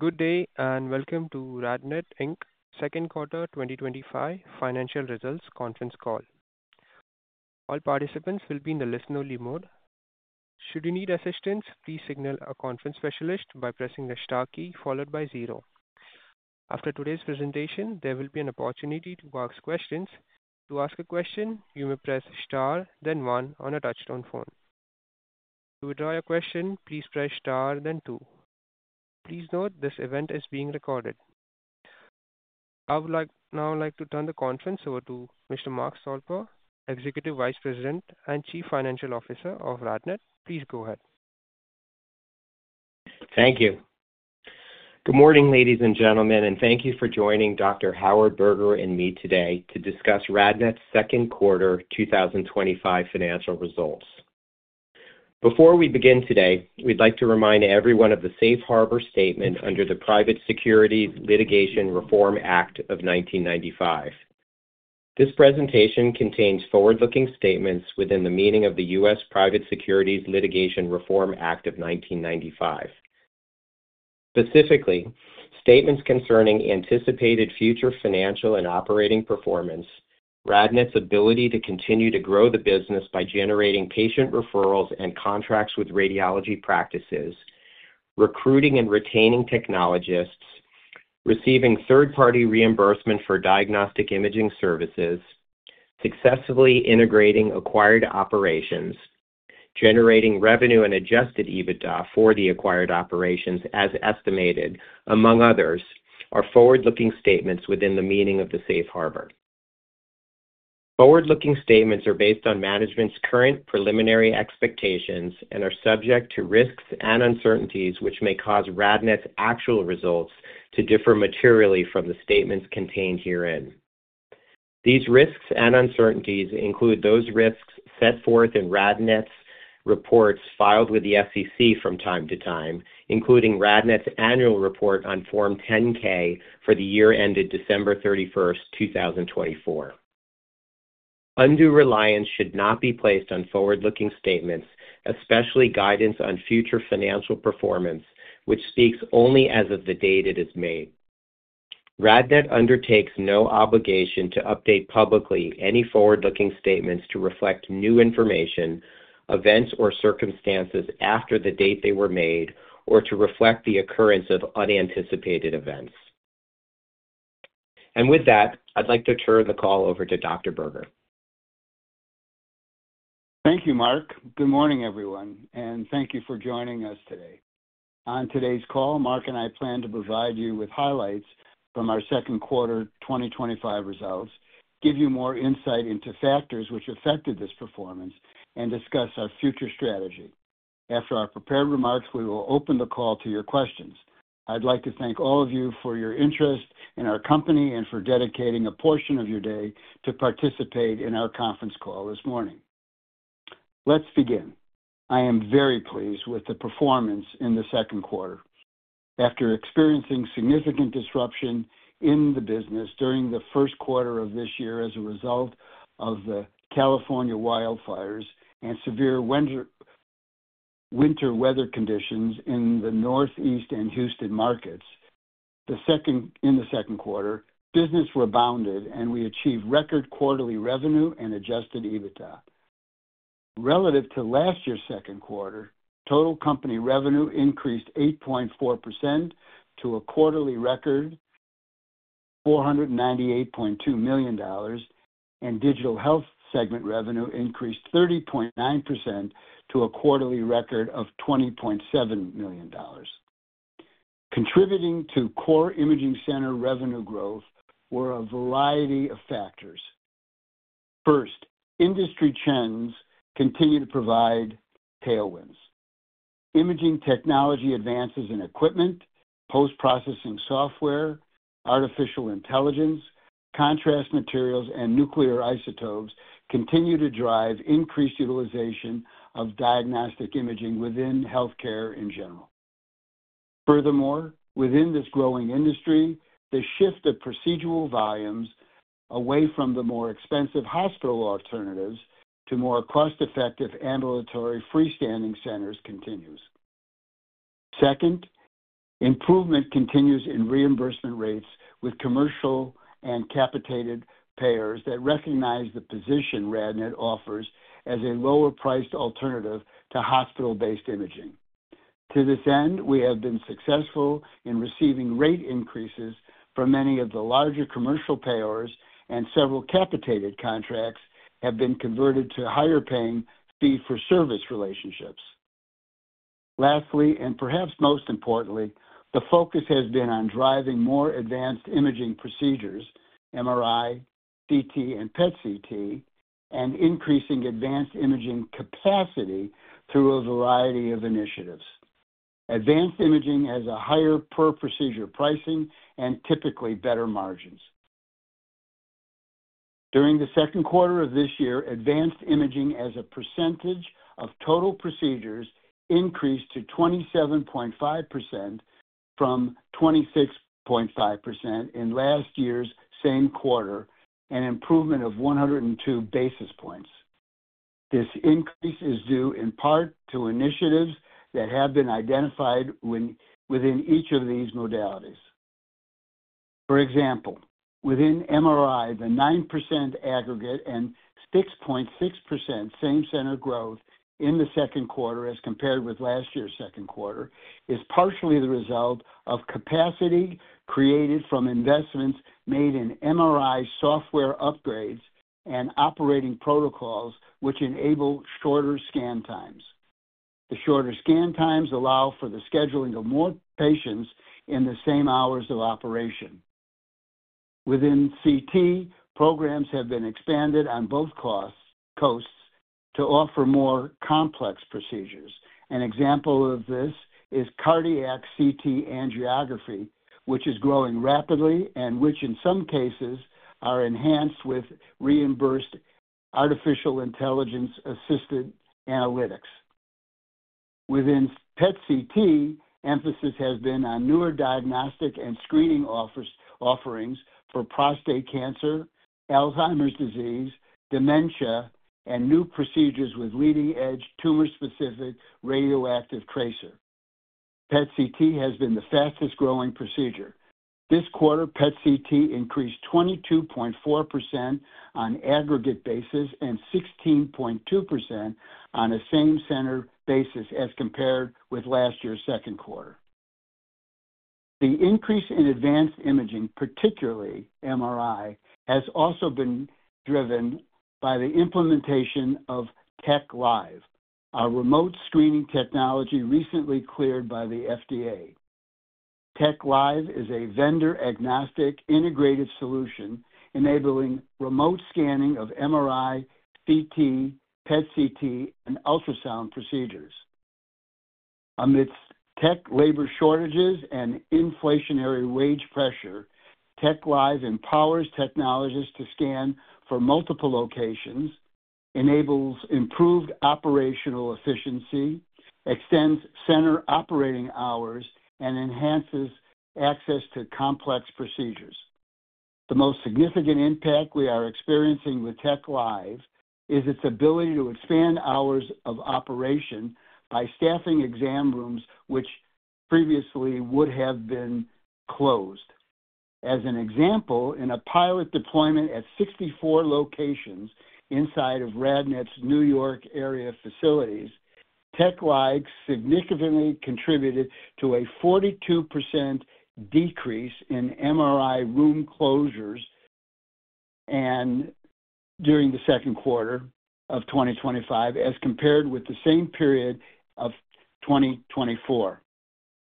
Good day and welcome to RadNet Inc.'s Second Quarter 2025 Financial Results Conference Call. All participants will be in the listen-only mode. Should you need assistance, please signal a conference specialist by pressing the STAR key followed by zero. After today's presentation, there will be an opportunity to ask questions. To ask a question, you may press STAR, then one on a touchtone phone. To withdraw your question, please press STAR, then two. Please note this event is being recorded. I would now like to turn the conference over to Mr. Mark Stolper, Executive Vice President and Chief Financial Officer of RadNet. Please go ahead. Thank you. Good morning, ladies and gentlemen, and thank you for joining Dr. Howard Berger and me today to discuss RadNet's second quarter 2025 financial results. Before we begin today, we'd like to remind everyone of the Safe Harbor Statement under the Private Securities Litigation Reform Act of 1995. This presentation contains forward-looking statements within the meaning of the U.S. Private Securities Litigation Reform Act of 1995. Specifically, statements concerning anticipated future financial and operating performance, RadNet's ability to continue to grow the business by generating patient referrals and contracts with radiology practices, recruiting and retaining technologists, receiving third-party reimbursement for diagnostic imaging services, successfully integrating acquired operations, generating revenue and adjusted EBITDA for the acquired operations as estimated, among others, are forward-looking statements within the meaning of the Safe Harbor. Forward-looking statements are based on management's current preliminary expectations and are subject to risks and uncertainties which may cause RadNet's actual results to differ materially from the statements contained herein. These risks and uncertainties include those risks set forth in RadNet's reports filed with the SEC from time to time, including RadNet's annual report on Form 10-K for the year ended December 31st, 2024. Undue reliance should not be placed on forward-looking statements, especially guidance on future financial performance, which speaks only as of the date it is made. RadNet undertakes no obligation to update publicly any forward-looking statements to reflect new information, events, or circumstances after the date they were made, or to reflect the occurrence of unanticipated events. With that, I'd like to turn the call over to Dr. Berger. Thank you, Mark. Good morning, everyone, and thank you for joining us today. On today's call, Mark and I plan to provide you with highlights from our second quarter 2025 results, give you more insight into factors which affected this performance, and discuss our future strategy. After our prepared remarks, we will open the call to your questions. I'd like to thank all of you for your interest in our company and for dedicating a portion of your day to participate in our conference call this morning. Let's begin. I am very pleased with the performance in the second quarter. After experiencing significant disruption in the business during the first quarter of this year as a result of the California wildfires and severe winter weather conditions in the Northeast and Houston markets, in the second quarter, business rebounded and we achieved record quarterly revenue and adjusted EBITDA. Relative to last year's second quarter, total company revenue increased 8.4% to a quarterly record of $498.2 million, and digital health segment revenue increased 30.9% to a quarterly record of $20.7 million. Contributing to core imaging center revenue growth were a variety of factors. First, industry trends continue to provide tailwinds. Imaging technology advances in equipment, post-processing software, artificial intelligence, contrast materials, and nuclear isotopes continue to drive increased utilization of diagnostic imaging within healthcare in general. Furthermore, within this growing industry, the shift of procedural volumes away from the more expensive hospital alternatives to more cost-effective ambulatory freestanding centers continues. Second, improvement continues in reimbursement rates with commercial and capitated payors that recognize the position RadNet offers as a lower-priced alternative to hospital-based imaging. To this end, we have been successful in receiving rate increases from many of the larger commercial payors, and several capitated contracts have been converted to higher-paying fee-for-service relationships. Lastly, and perhaps most importantly, the focus has been on driving more advanced imaging procedures, MRI, CT, and PET/CT, and increasing advanced imaging capacity through a variety of initiatives. Advanced imaging has a higher per-procedure pricing and typically better margins. During the second quarter of this year, advanced imaging as a percentage of total procedures increased to 27.5% from 26.5% in last year's same quarter, an improvement of 102 basis points. This increase is due in part to initiatives that have been identified within each of these modalities. For example, within MRI, the 9% aggregate and 6.6% same-center growth in the second quarter as compared with last year's second quarter is partially the result of capacity created from investments made in MRI software upgrades and operating protocols, which enable shorter scan times. The shorter scan times allow for the scheduling of more patients in the same hours of operation. Within CT, programs have been expanded on both coasts to offer more complex procedures. An example of this is cardiac CT angiography, which is growing rapidly and which in some cases is enhanced with reimbursed artificial intelligence-assisted analytics. Within PET/CT, emphasis has been on newer diagnostic and screening offerings for prostate cancer, Alzheimer's disease, dementia, and new procedures with leading-edge tumor-specific radioactive tracer. PET/CT has been the fastest growing procedure. This quarter, PET/CT increased 22.4% on an aggregate basis and 16.2% on a same-center basis as compared with last year's second quarter. The increase in advanced imaging, particularly MRI, has also been driven by the implementation of TechLive, a remote scanning technology recently cleared by the FDA. TechLive is a vendor-agnostic integrated solution enabling remote scanning of MRI, CT, PET/CT, and ultrasound procedures. Amidst tech labor shortages and inflationary wage pressure, TechLive empowers technologists to scan for multiple locations, enables improved operational efficiency, extends center operating hours, and enhances access to complex procedures. The most significant impact we are experiencing with TechLive is its ability to expand hours of operation by staffing exam rooms which previously would have been closed. As an example, in a pilot deployment at 64 locations inside of RadNet's New York area facilities, TechLive significantly contributed to a 42% decrease in MRI room closures during the second quarter of 2025 as compared with the same period of 2024.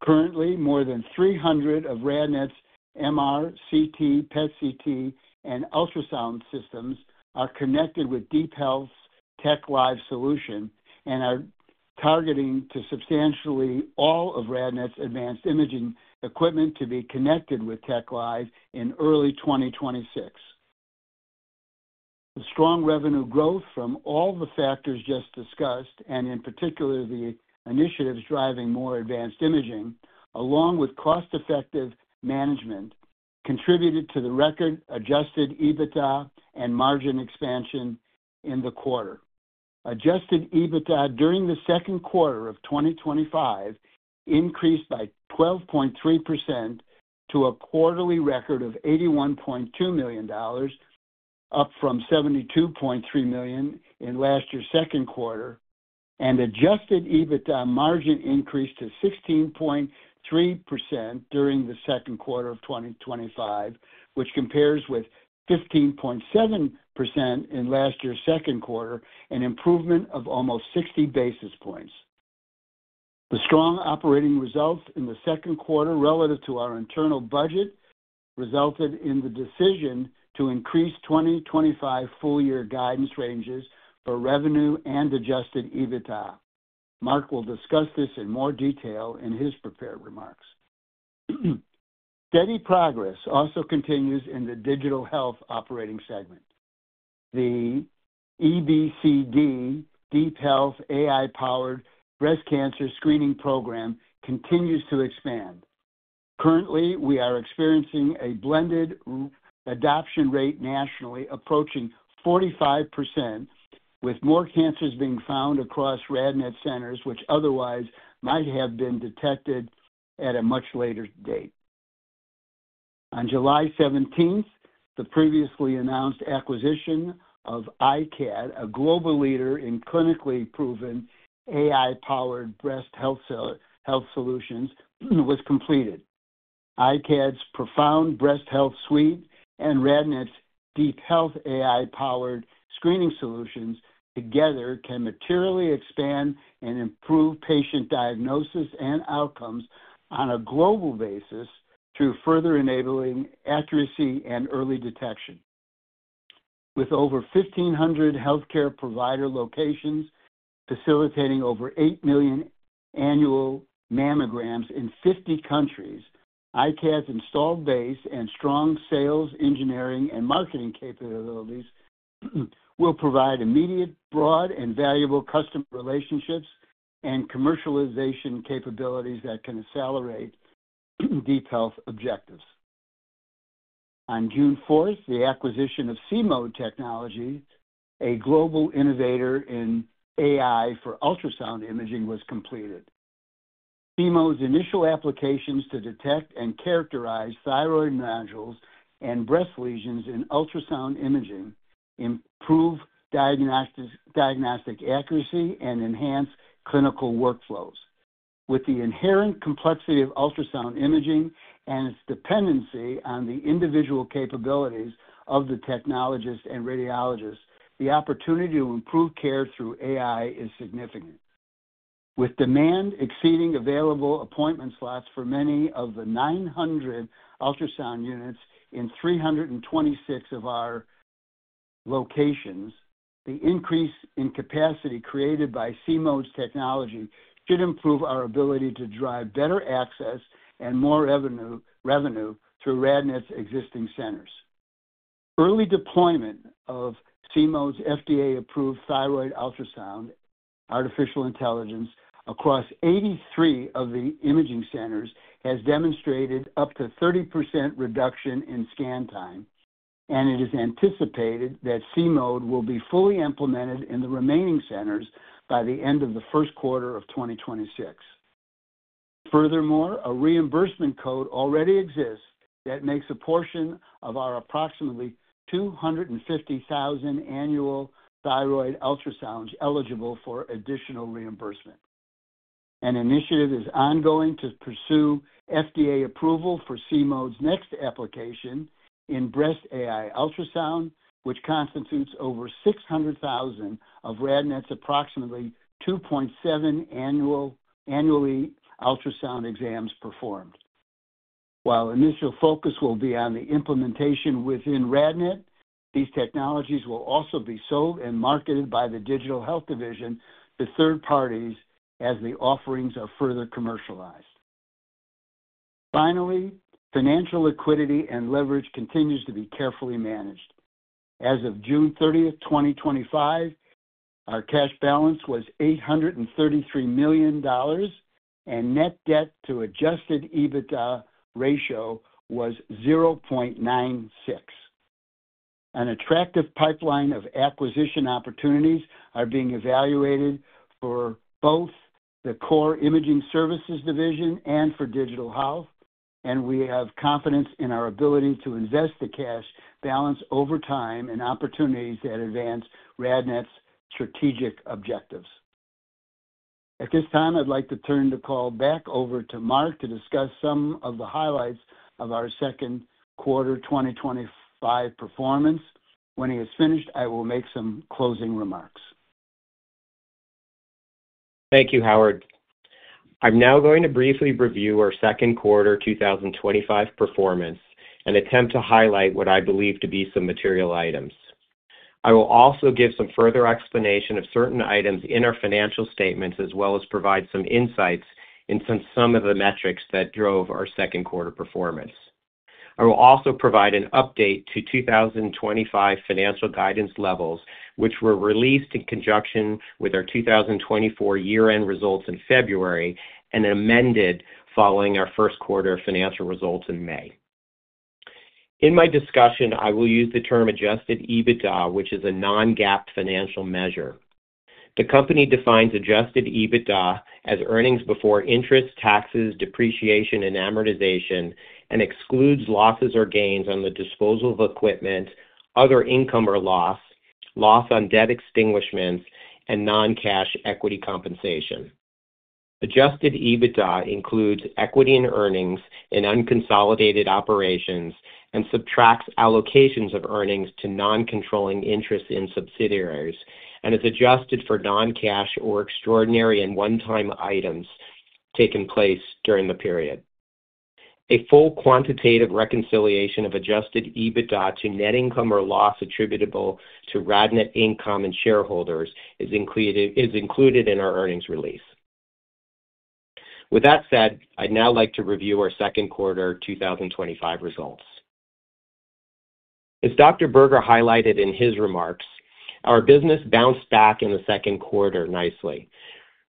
Currently, more than 300 of RadNet's MR, CT, PET/CT, and ultrasound systems are connected with DeepHealth’s TechLive solution and are targeting to substantially all of RadNet's advanced imaging equipment to be connected with TechLive in early 2026. The strong revenue growth from all the factors just discussed, and in particular the initiatives driving more advanced imaging, along with cost-effective management, contributed to the record adjusted EBITDA and margin expansion in the quarter. Adjusted EBITDA during the second quarter of 2025 increased by 12.3% to a quarterly record of $81.2 million, up from $72.3 million in last year's second quarter, and adjusted EBITDA margin increased to 16.3% during the second quarter of 2025, which compares with 15.7% in last year's second quarter, an improvement of almost 60 basis points. The strong operating results in the second quarter relative to our internal budget resulted in the decision to increase 2025 full-year guidance ranges for revenue and adjusted EBITDA. Mark will discuss this in more detail in his prepared remarks. Steady progress also continues in the digital health operating segment. The EBCD, DeepHealth AI-powered breast cancer screening program, continues to expand. Currently, we are experiencing a blended adoption rate nationally approaching 45%, with more cancers being found across RadNet centers which otherwise might have been detected at a much later date. On July 17th, the previously announced acquisition of iCAD, a global leader in clinically proven AI-powered breast health solutions, was completed. iCAD’s Profound Breast Health Suite and RadNet's DeepHealth AI-powered screening solutions together can materially expand and improve patient diagnosis and outcomes on a global basis through further enabling accuracy and early detection. With over 1,500 healthcare provider locations facilitating over 8 million annual mammograms in 50 countries, iCAD's installed base and strong sales engineering and marketing capabilities will provide immediate, broad, and valuable customer relationships and commercialization capabilities that can accelerate DeepHealth objectives. On June 4th, the acquisition of See-Mode technology, a global innovator in AI for ultrasound imaging, was completed. See-Mode's initial applications to detect and characterize thyroid nodules and breast lesions in ultrasound imaging improve diagnostic accuracy and enhance clinical workflows. With the inherent complexity of ultrasound imaging and its dependency on the individual capabilities of the technologists and radiologists, the opportunity to improve care through AI is significant. With demand exceeding available appointment slots for many of the 900 ultrasound units in 326 of our locations, the increase in capacity created by See-Mode's technology should improve our ability to drive better access and more revenue through RadNet's existing centers. Early deployment of See-Mode's FDA-approved thyroid ultrasound artificial intelligence across 83 of the imaging centers has demonstrated up to 30% reduction in scan time, and it is anticipated that See-Mode will be fully implemented in the remaining centers by the end of the first quarter of 2026. Furthermore, a reimbursement code already exists that makes a portion of our approximately 250,000 annual thyroid ultrasounds eligible for additional reimbursement. An initiative is ongoing to pursue FDA approval for See-Mode's next application in breast AI ultrasound, which constitutes over 600,000 of RadNet's approximately 2.7 million annual ultrasound exams performed. While initial focus will be on the implementation within RadNet, these technologies will also be sold and marketed by the digital health division to third parties as the offerings are further commercialized. Finally, financial liquidity and leverage continue to be carefully managed. As of June 30th, 2025, our cash balance was $833 million and net debt to adjusted EBITDA ratio was 0.96. An attractive pipeline of acquisition opportunities is being evaluated for both the core imaging services division and for digital health, and we have confidence in our ability to invest the cash balance over time in opportunities that advance RadNet's strategic objectives. At this time, I'd like to turn the call back over to Mark to discuss some of the highlights of our second quarter 2025 performance. When he is finished, I will make some closing remarks. Thank you, Howard. I'm now going to briefly review our second quarter 2025 performance and attempt to highlight what I believe to be some material items. I will also give some further explanation of certain items in our financial statements, as well as provide some insights into some of the metrics that drove our second quarter performance. I will also provide an update to 2025 financial guidance levels, which were released in conjunction with our 2024 year-end results in February and amended following our first quarter financial results in May. In my discussion, I will use the term adjusted EBITDA, which is a non-GAAP financial measure. The company defines adjusted EBITDA as earnings before interest, taxes, depreciation, and amortization, and excludes losses or gains on the disposal of equipment, other income or loss, loss on debt extinguishments, and non-cash equity compensation. Adjusted EBITDA includes equity in earnings in unconsolidated operations and subtracts allocations of earnings to non-controlling interests in subsidiaries and is adjusted for non-cash or extraordinary and one-time items taking place during the period. A full quantitative reconciliation of adjusted EBITDA to net income or loss attributable to RadNet income and shareholders is included in our earnings release. With that said, I'd now like to review our second quarter 2025 results. As Dr. Berger highlighted in his remarks, our business bounced back in the second quarter nicely,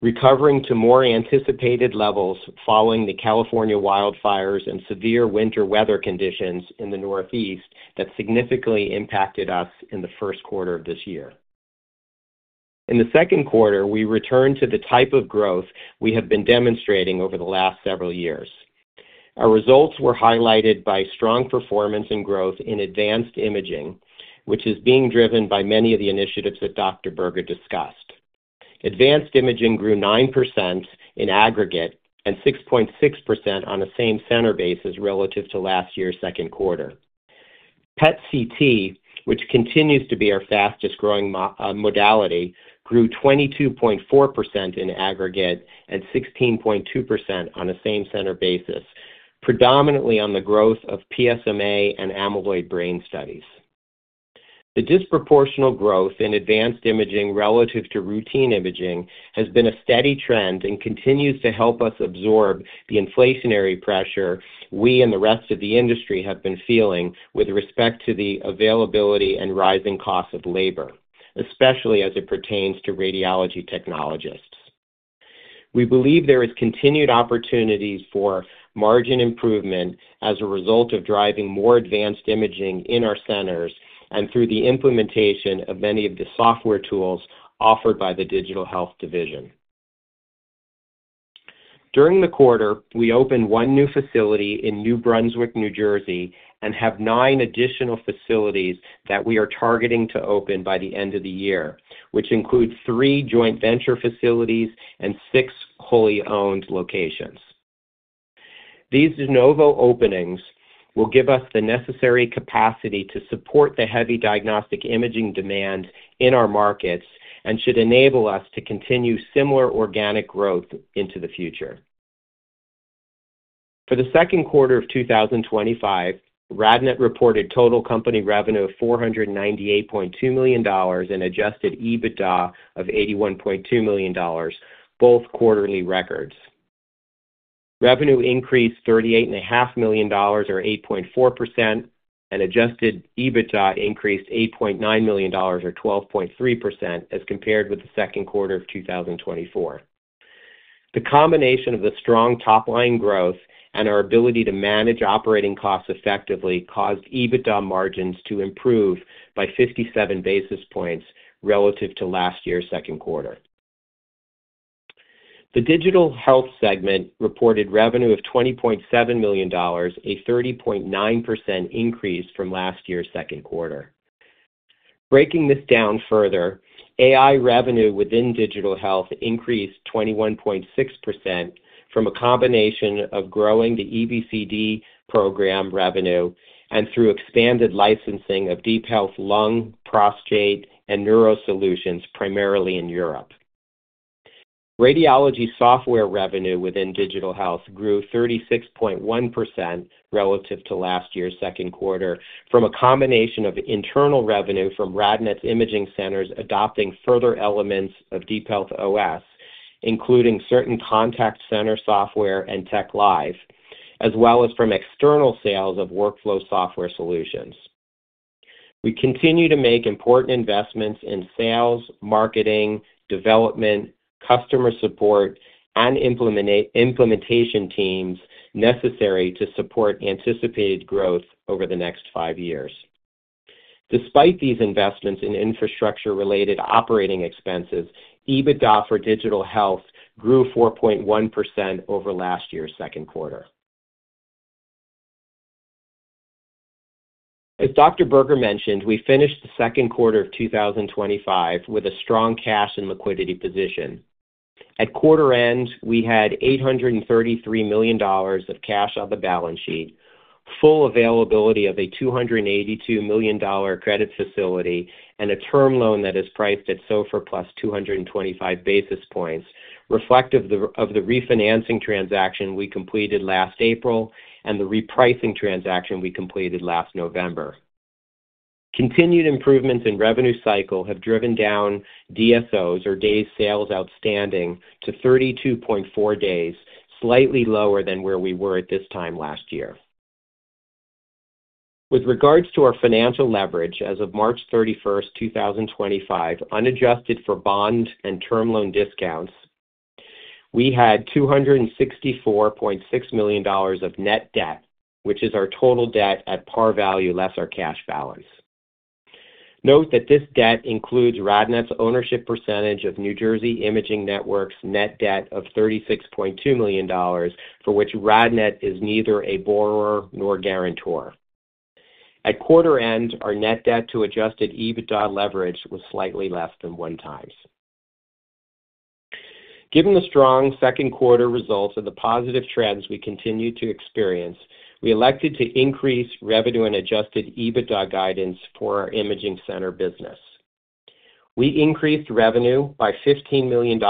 recovering to more anticipated levels following the California wildfires and severe winter weather conditions in the Northeast that significantly impacted us in the first quarter of this year. In the second quarter, we returned to the type of growth we have been demonstrating over the last several years. Our results were highlighted by strong performance and growth in advanced imaging, which is being driven by many of the initiatives that Dr. Berger discussed. Advanced imaging grew 9% in aggregate and 6.6% on a same-center basis relative to last year's second quarter. PET/CT, which continues to be our fastest growing modality, grew 22.4% in aggregate and 16.2% on a same-center basis, predominantly on the growth of PSMA and amyloid brain studies. The disproportional growth in advanced imaging relative to routine imaging has been a steady trend and continues to help us absorb the inflationary pressure we and the rest of the industry have been feeling with respect to the availability and rising costs of labor, especially as it pertains to radiology technologists. We believe there are continued opportunities for margin improvement as a result of driving more advanced imaging in our centers and through the implementation of many of the software tools offered by the digital health division. During the quarter, we opened one new facility in New Brunswick, New Jersey, and have nine additional facilities that we are targeting to open by the end of the year, which include three joint venture facilities and six wholly owned locations. These de novo openings will give us the necessary capacity to support the heavy diagnostic imaging demand in our markets and should enable us to continue similar organic growth into the future. For the second quarter of 2025, RadNet reported total company revenue of $498.2 million and adjusted EBITDA of $81.2 million, both quarterly records. Revenue increased $38.5 million, or 8.4%, and adjusted EBITDA increased $8.9 million, or 12.3%, as compared with the second quarter of 2024. The combination of the strong top-line growth and our ability to manage operating costs effectively caused EBITDA margins to improve by 57 basis points relative to last year's second quarter. The digital health segment reported revenue of $20.7 million, a 30.9% increase from last year's second quarter. Breaking this down further, AI revenue within digital health increased 21.6% from a combination of growing the EBCD program revenue and through expanded licensing of DeepHealth Lung, Prostate, and Neuro Solutions, primarily in Europe. Radiology software revenue within digital health grew 36.1% relative to last year's second quarter from a combination of internal revenue from RadNet imaging centers adopting further elements of DeepHealth OS, including certain contact center software and TechLive, as well as from external sales of workflow software solutions. We continue to make important investments in sales, marketing, development, customer support, and implementation teams necessary to support anticipated growth over the next five years. Despite these investments in infrastructure-related operating expenses, EBITDA for digital health grew 4.1% over last year's second quarter. As Dr. Berger mentioned, we finished the second quarter of 2025 with a strong cash and liquidity position. At quarter end, we had $833 million of cash on the balance sheet, full availability of a $282 million credit facility, and a term loan that is priced at SOFR +225 basis points, reflective of the refinancing transaction we completed last April and the repricing transaction we completed last November. Continued improvements in revenue cycle have driven down DSOs, or days sales outstanding, to 32.4 days, slightly lower than where we were at this time last year. With regards to our financial leverage, as of March 31st, 2025, unadjusted for bond and term loan discounts, we had $264.6 million of net debt, which is our total debt at par value less our cash balance. Note that this debt includes RadNet's ownership percentage of New Jersey Imaging Networks' net debt of $36.2 million, for which RadNet is neither a borrower nor guarantor. At quarter end, our net debt to adjusted EBITDA leverage was slightly less than 1x. Given the strong second quarter results and the positive trends we continue to experience, we elected to increase revenue and adjusted EBITDA guidance for our imaging center business. We increased revenue by $15 million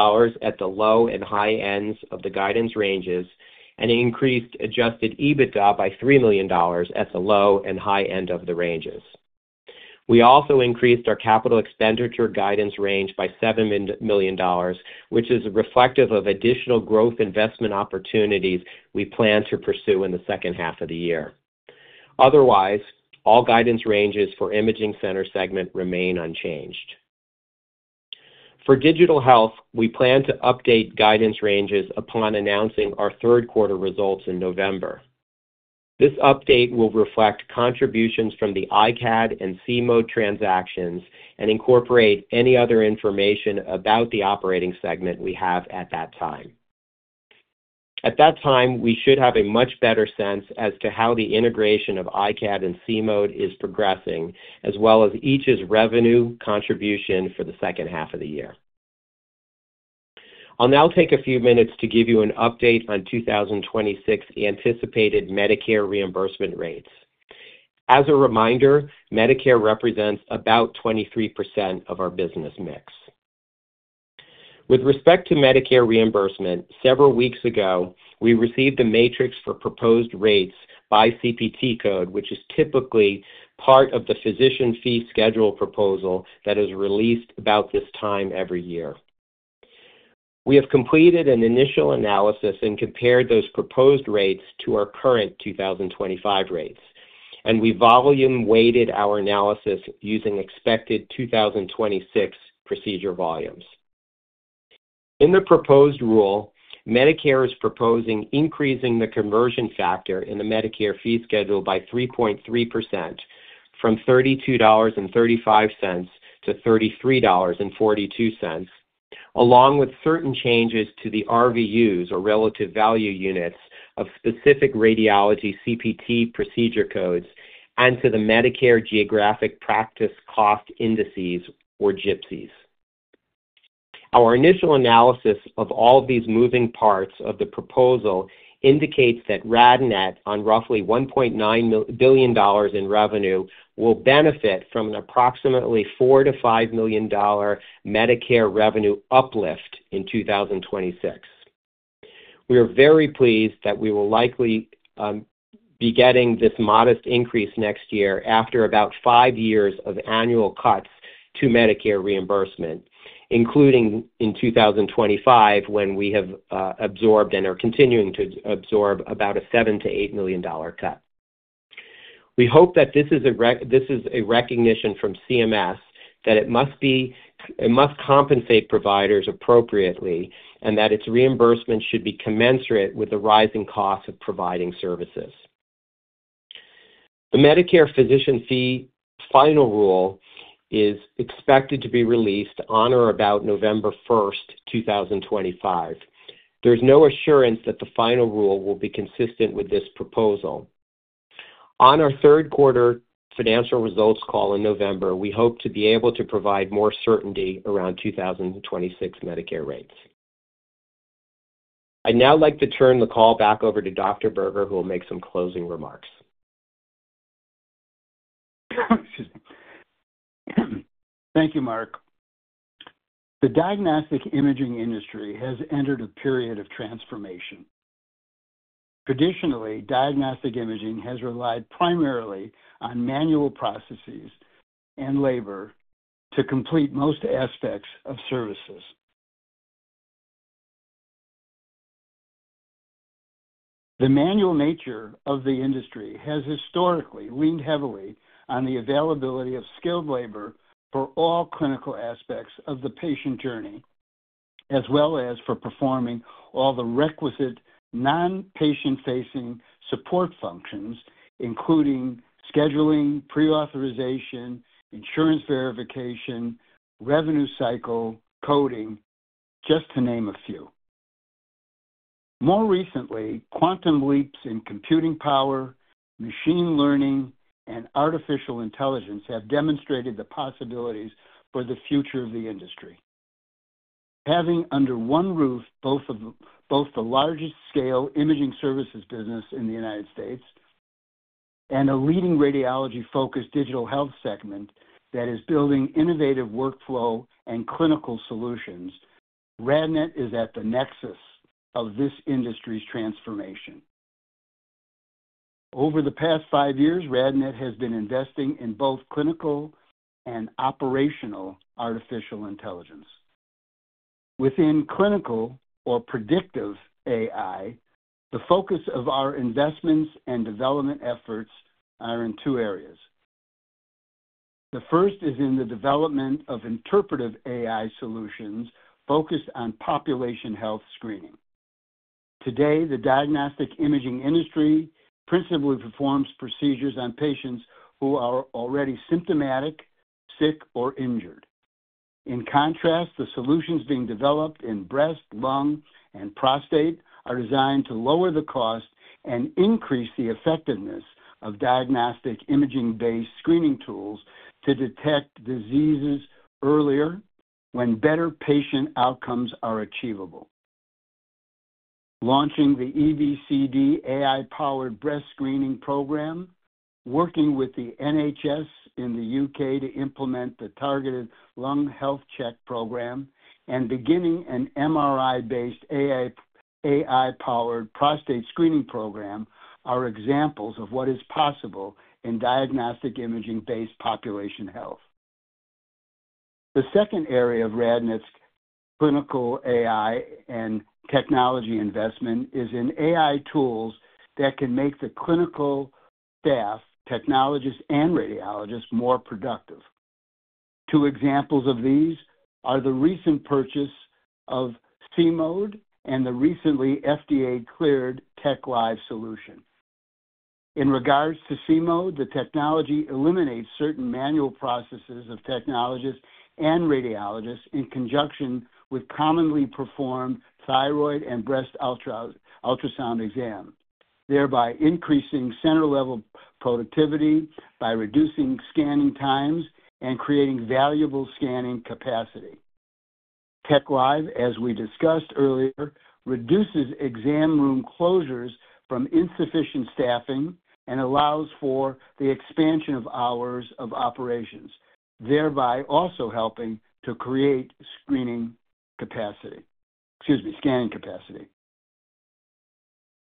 at the low and high ends of the guidance ranges and increased adjusted EBITDA by $3 million at the low and high end of the ranges. We also increased our capital expenditure guidance range by $7 million, which is reflective of additional growth investment opportunities we plan to pursue in the second half of the year. Otherwise, all guidance ranges for the imaging center segment remain unchanged. For digital health, we plan to update guidance ranges upon announcing our third quarter results in November. This update will reflect contributions from the iCAD and CMODE transactions and incorporate any other information about the operating segment we have at that time. At that time, we should have a much better sense as to how the integration of iCAD and CMODE is progressing, as well as each's revenue contribution for the second half of the year. I'll now take a few minutes to give you an update on 2026 anticipated Medicare reimbursement rates. As a reminder, Medicare represents about 23% of our business mix. With respect to Medicare reimbursement, several weeks ago, we received the matrix for proposed rates by CPT code, which is typically part of the physician fee schedule proposal that is released about this time every year. We have completed an initial analysis and compared those proposed rates to our current 2025 rates, and we volume-weighted our analysis using expected 2026 procedure volumes. In the proposed rule, Medicare is proposing increasing the conversion factor in the Medicare fee schedule by 3.3% from $32.35 to $33.42, along with certain changes to the RVUs, or relative value units, of specific radiology CPT procedure codes and to the Medicare geographic practice cost indices, or GPCIs. Our initial analysis of all these moving parts of the proposal indicates that RadNet, on roughly $1.9 billion in revenue, will benefit from an approximately $4 million-$5 million Medicare revenue uplift in 2026. We are very pleased that we will likely be getting this modest increase next year after about five years of annual cuts to Medicare reimbursement, including in 2025, when we have absorbed and are continuing to absorb about a $7 million-$8 million cut. We hope that this is a recognition from CMS that it must compensate providers appropriately and that its reimbursement should be commensurate with the rising cost of providing services. The Medicare physician fee final rule is expected to be released on or about November 1st, 2025. There is no assurance that the final rule will be consistent with this proposal. On our third quarter financial results call in November, we hope to be able to provide more certainty around 2026 Medicare rates. I'd now like to turn the call back over to Dr. Berger, who will make some closing remarks. Thank you, Mark. The diagnostic imaging industry has entered a period of transformation. Traditionally, diagnostic imaging has relied primarily on manual processes and labor to complete most aspects of services. The manual nature of the industry has historically leaned heavily on the availability of skilled labor for all clinical aspects of the patient journey, as well as for performing all the requisite non-patient-facing support functions, including scheduling, pre-authorization, insurance verification, revenue cycle, coding, just to name a few. More recently, quantum leaps in computing power, machine learning, and artificial intelligence have demonstrated the possibilities for the future of the industry. Having under one roof both the largest-scale imaging services business in the United States and a leading radiology-focused digital health segment that is building innovative workflow and clinical solutions, RadNet is at the nexus of this industry's transformation. Over the past five years, RadNet has been investing in both clinical and operational artificial intelligence. Within clinical or predictive AI, the focus of our investments and development efforts is in two areas. The first is in the development of interpretive AI solutions focused on population health screening. Today, the diagnostic imaging industry principally performs procedures on patients who are already symptomatic, sick, or injured. In contrast, the solutions being developed in breast, lung, and prostate are designed to lower the cost and increase the effectiveness of diagnostic imaging-based screening tools to detect diseases earlier when better patient outcomes are achievable. Launching the EBCD AI-powered breast screening program, working with the NHS in the U.K. to implement the targeted lung health check program, and beginning an MRI-based AI-powered prostate screening program are examples of what is possible in diagnostic imaging-based population health. The second area of RadNet's clinical AI and technology investment is in AI tools that can make the clinical staff, technologists, and radiologists more productive. Two examples of these are the recent purchase of See-Mode and the recently FDA-cleared TechLive solution. In regards to See-Mode, the technology eliminates certain manual processes of technologists and radiologists in conjunction with commonly performed thyroid and breast ultrasound exams, thereby increasing center-level productivity by reducing scanning times and creating valuable scanning capacity. TechLive, as we discussed earlier, reduces exam room closures from insufficient staffing and allows for the expansion of hours of operations, thereby also helping to create scanning capacity.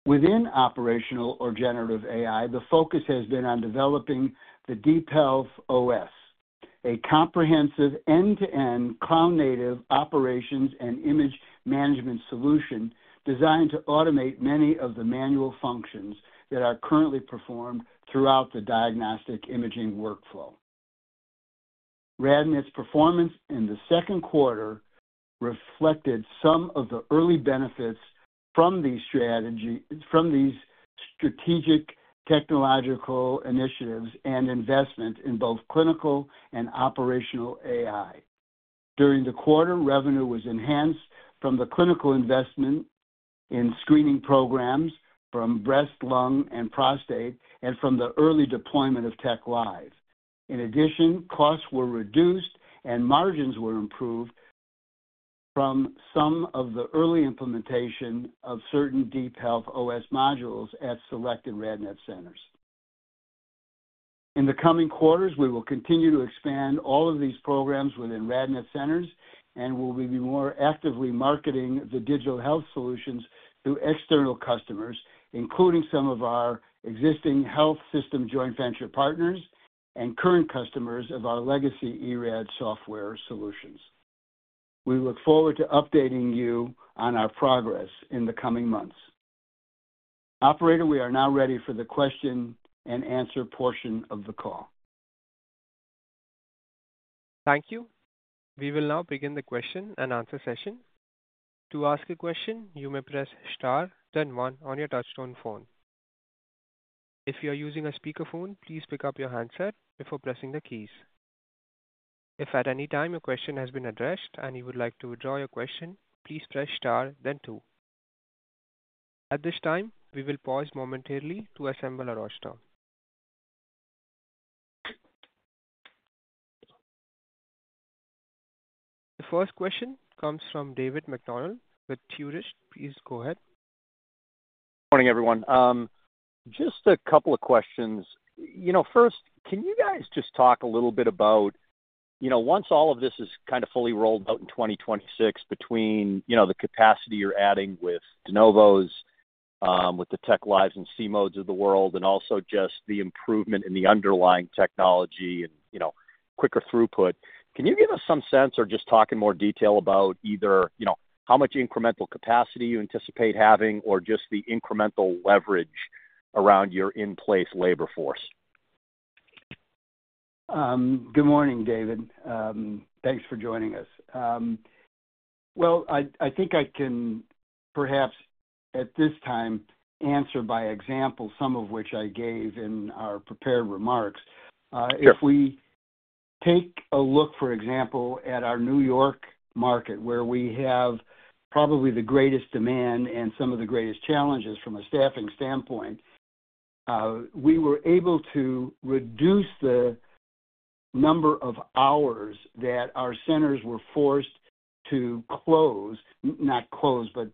Within operational or generative AI, the focus has been on developing the DeepHealth OS, a comprehensive end-to-end cloud-native operations and image management solution designed to automate many of the manual functions that are currently performed throughout the diagnostic imaging workflow. RadNet's performance in the second quarter reflected some of the early benefits from these strategic technological initiatives and investments in both clinical and operational AI. During the quarter, revenue was enhanced from the clinical investment in screening programs from breast, lung, and prostate, and from the early deployment of TechLive. In addition, costs were reduced and margins were improved from some of the early implementation of certain DeepHealth OS modules at selected RadNet centers. In the coming quarters, we will continue to expand all of these programs within RadNet centers and will be more actively marketing the digital health solutions to external customers, including some of our existing health system joint venture partners and current customers of our legacy eRad software solutions. We look forward to updating you on our progress in the coming months. Operator, we are now ready for the question and answer portion of the call. Thank you. We will now begin the question and answer session. To ask a question, you may press STAR, then one on your touchtone phone. If you are using a speakerphone, please pick up your handset before pressing the keys. If at any time your question has been addressed and you would like to withdraw your question, please press STAR, then two. At this time, we will pause momentarily to assemble our audience. The first question comes from David McDonald with Truist. Please go ahead. Morning, everyone. Just a couple of questions. First, can you guys just talk a little bit about, once all of this is fully rolled out in 2026 between the capacity you're adding with de novos, with the TechLive and See-Modes of the world, and also just the improvement in the underlying technology and quicker throughput? Can you give us some sense or just talk in more detail about either how much incremental capacity you anticipate having or just the incremental leverage around your in-place labor force? Good morning, David. Thanks for joining us. I think I can perhaps at this time answer by example some of which I gave in our prepared remarks. If we take a look, for example, at our New York market where we have probably the greatest demand and some of the greatest challenges from a staffing standpoint, we were able to reduce the number of hours that our centers were forced to close, not close, but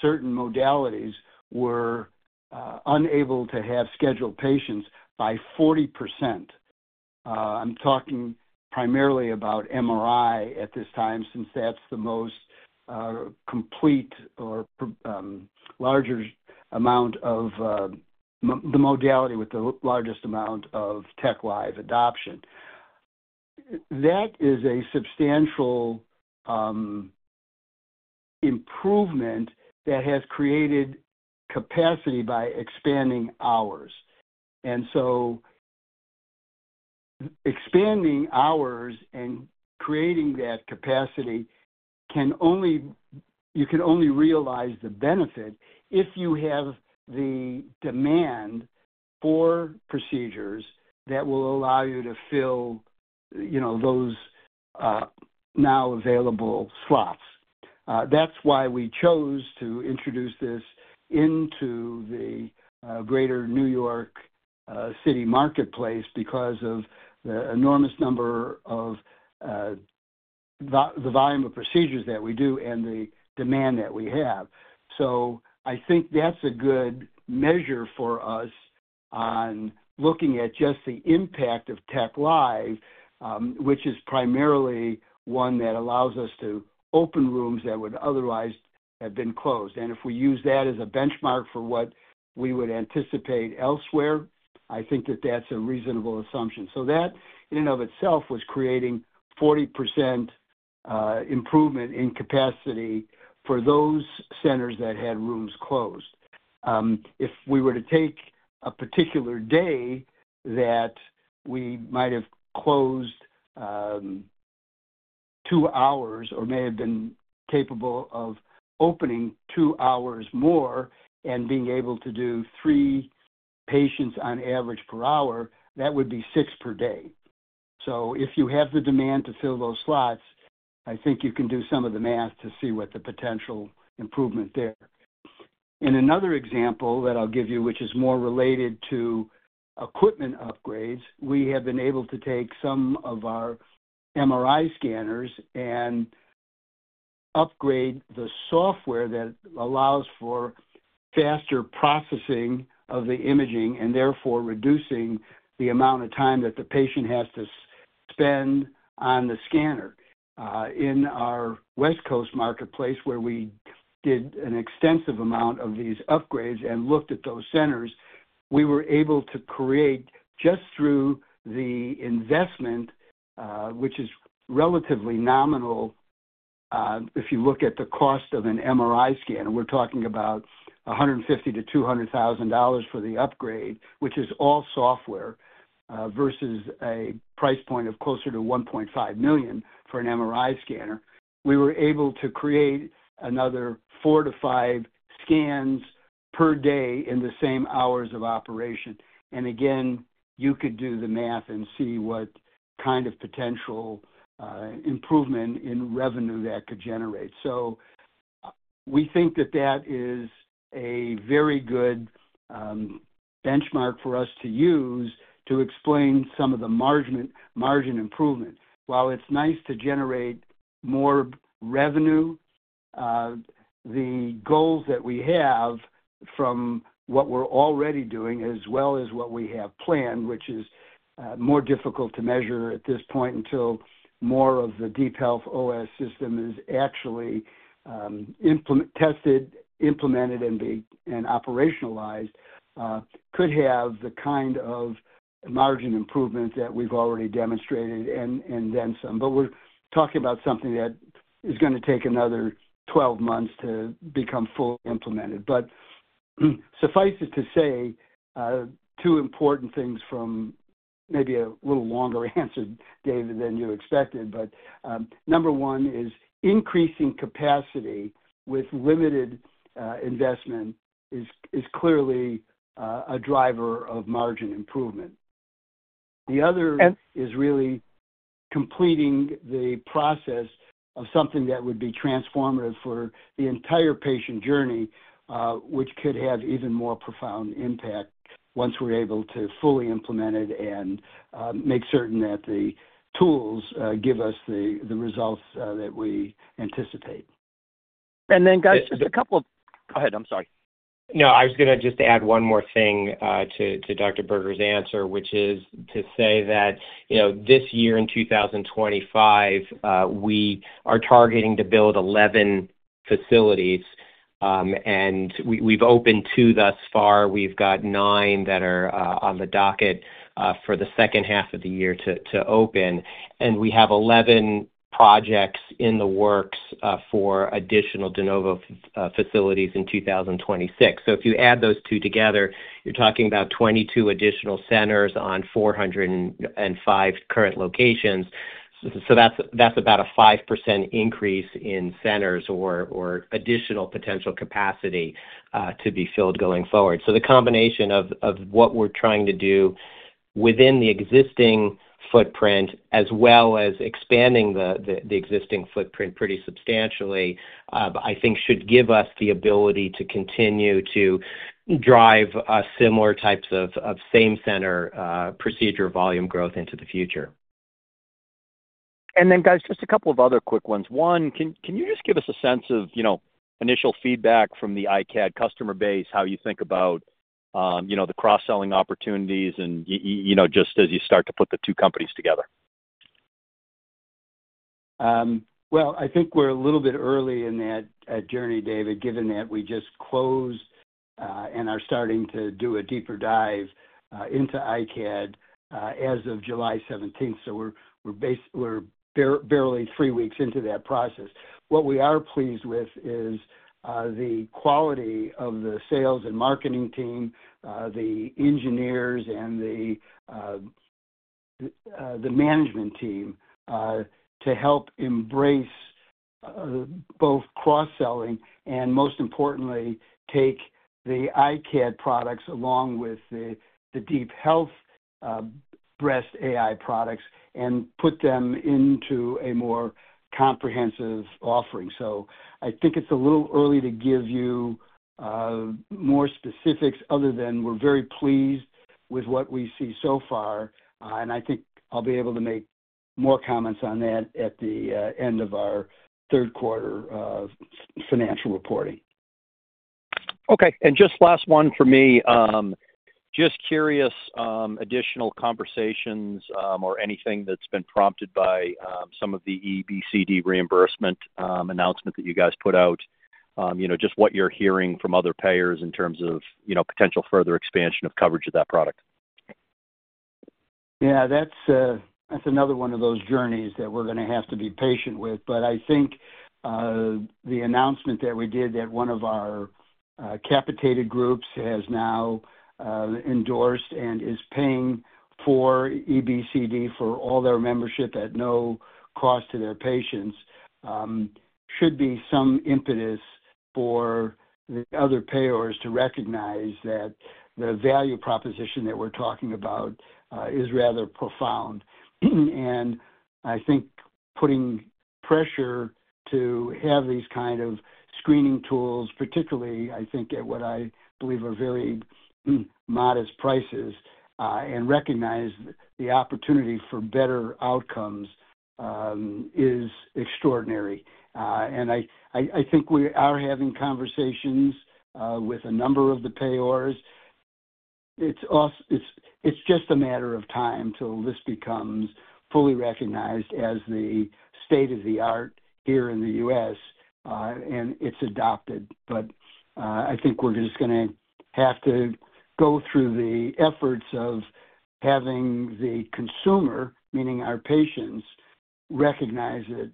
certain modalities were unable to have scheduled patients by 40%. I'm talking primarily about MRI at this time since that's the most complete or larger amount of the modality with the largest amount of TechLive adoption. That is a substantial improvement that has created capacity by expanding hours. Expanding hours and creating that capacity can only, you can only realize the benefit if you have the demand for procedures that will allow you to fill, you know, those now available slots. That's why we chose to introduce this into the greater New York City marketplace because of the enormous number of the volume of procedures that we do and the demand that we have. I think that's a good measure for us on looking at just the impact of TechLive, which is primarily one that allows us to open rooms that would otherwise have been closed. If we use that as a benchmark for what we would anticipate elsewhere, I think that that's a reasonable assumption. That in and of itself was creating 40% improvement in capacity for those centers that had rooms closed. If we were to take a particular day that we might have closed two hours or may have been capable of opening two hours more and being able to do three patients on average per hour, that would be six per day. If you have the demand to fill those slots, I think you can do some of the math to see what the potential improvement there. In another example that I'll give you, which is more related to equipment upgrades, we have been able to take some of our MRI scanners and upgrade the software that allows for faster processing of the imaging and therefore reducing the amount of time that the patient has to spend on the scanner. In our West Coast marketplace, where we did an extensive amount of these upgrades and looked at those centers, we were able to create just through the investment, which is relatively nominal if you look at the cost of an MRI scanner. We're talking about $150,000-$200,000 for the upgrade, which is all software, versus a price point of closer to $1.5 million for an MRI scanner. We were able to create another four to five scans per day in the same hours of operation. You could do the math and see what kind of potential improvement in revenue that could generate. We think that that is a very good benchmark for us to use to explain some of the margin improvement. While it's nice to generate more revenue, the goals that we have from what we're already doing as well as what we have planned, which is more difficult to measure at this point until more of the DeepHealth OS system is actually tested, implemented, and operationalized, could have the kind of margin improvement that we've already demonstrated and then some. We are talking about something that is going to take another 12 months to become fully implemented. Suffice it to say two important things from maybe a little longer answer, David, than you expected. Number one is increasing capacity with limited investment is clearly a driver of margin improvement. The other is really completing the process of something that would be transformative for the entire patient journey, which could have even more profound impact once we're able to fully implement it and make certain that the tools give us the results that we anticipate. Guys, just a couple of--go ahead. I'm sorry. No, I was going to just add one more thing to Dr. Berger's answer, which is to say that, you know, this year in 2025, we are targeting to build 11 facilities. We've opened two thus far. We've got nine that are on the docket for the second half of the year to open. We have 11 projects in the works for additional de novo facilities in 2026. If you add those two together, you're talking about 22 additional centers on 405 current locations. That's about a 5% increase in centers or additional potential capacity to be filled going forward. The combination of what we're trying to do within the existing footprint, as well as expanding the existing footprint pretty substantially, I think should give us the ability to continue to drive similar types of same center procedure volume growth into the future. Can you just give us a sense of initial feedback from the iCAD customer base, how you think about the cross-selling opportunities, and just as you start to put the two companies together? I think we're a little bit early in that journey, David, given that we just closed and are starting to do a deeper dive into iCAD as of July 17, 2023. We're barely three weeks into that process. What we are pleased with is the quality of the sales and marketing team, the engineers, and the management team to help embrace both cross-selling and, most importantly, take the iCAD products along with the DeepHealth breast AI products and put them into a more comprehensive offering. I think it's a little early to give you more specifics other than we're very pleased with what we see so far. I think I'll be able to make more comments on that at the end of our third quarter of financial reporting. Okay. Just last one for me. Curious, additional conversations or anything that's been prompted by some of the EBCD reimbursement announcements that you guys put out. Just what you're hearing from other payers in terms of potential further expansion of coverage of that product. Yeah, that's another one of those journeys that we're going to have to be patient with. I think the announcement that we did that one of our capitated groups has now endorsed and is paying for EBCD for all their membership at no cost to their patients should be some impetus for the other payers to recognize that the value proposition that we're talking about is rather profound. I think putting pressure to have these kind of screening tools, particularly, I think, at what I believe are very modest prices and recognize the opportunity for better outcomes is extraordinary. I think we are having conversations with a number of the payers. It's just a matter of time till this becomes fully recognized as the state of the art here in the U.S. and it's adopted. I think we're just going to have to go through the efforts of having the consumer, meaning our patients, recognize it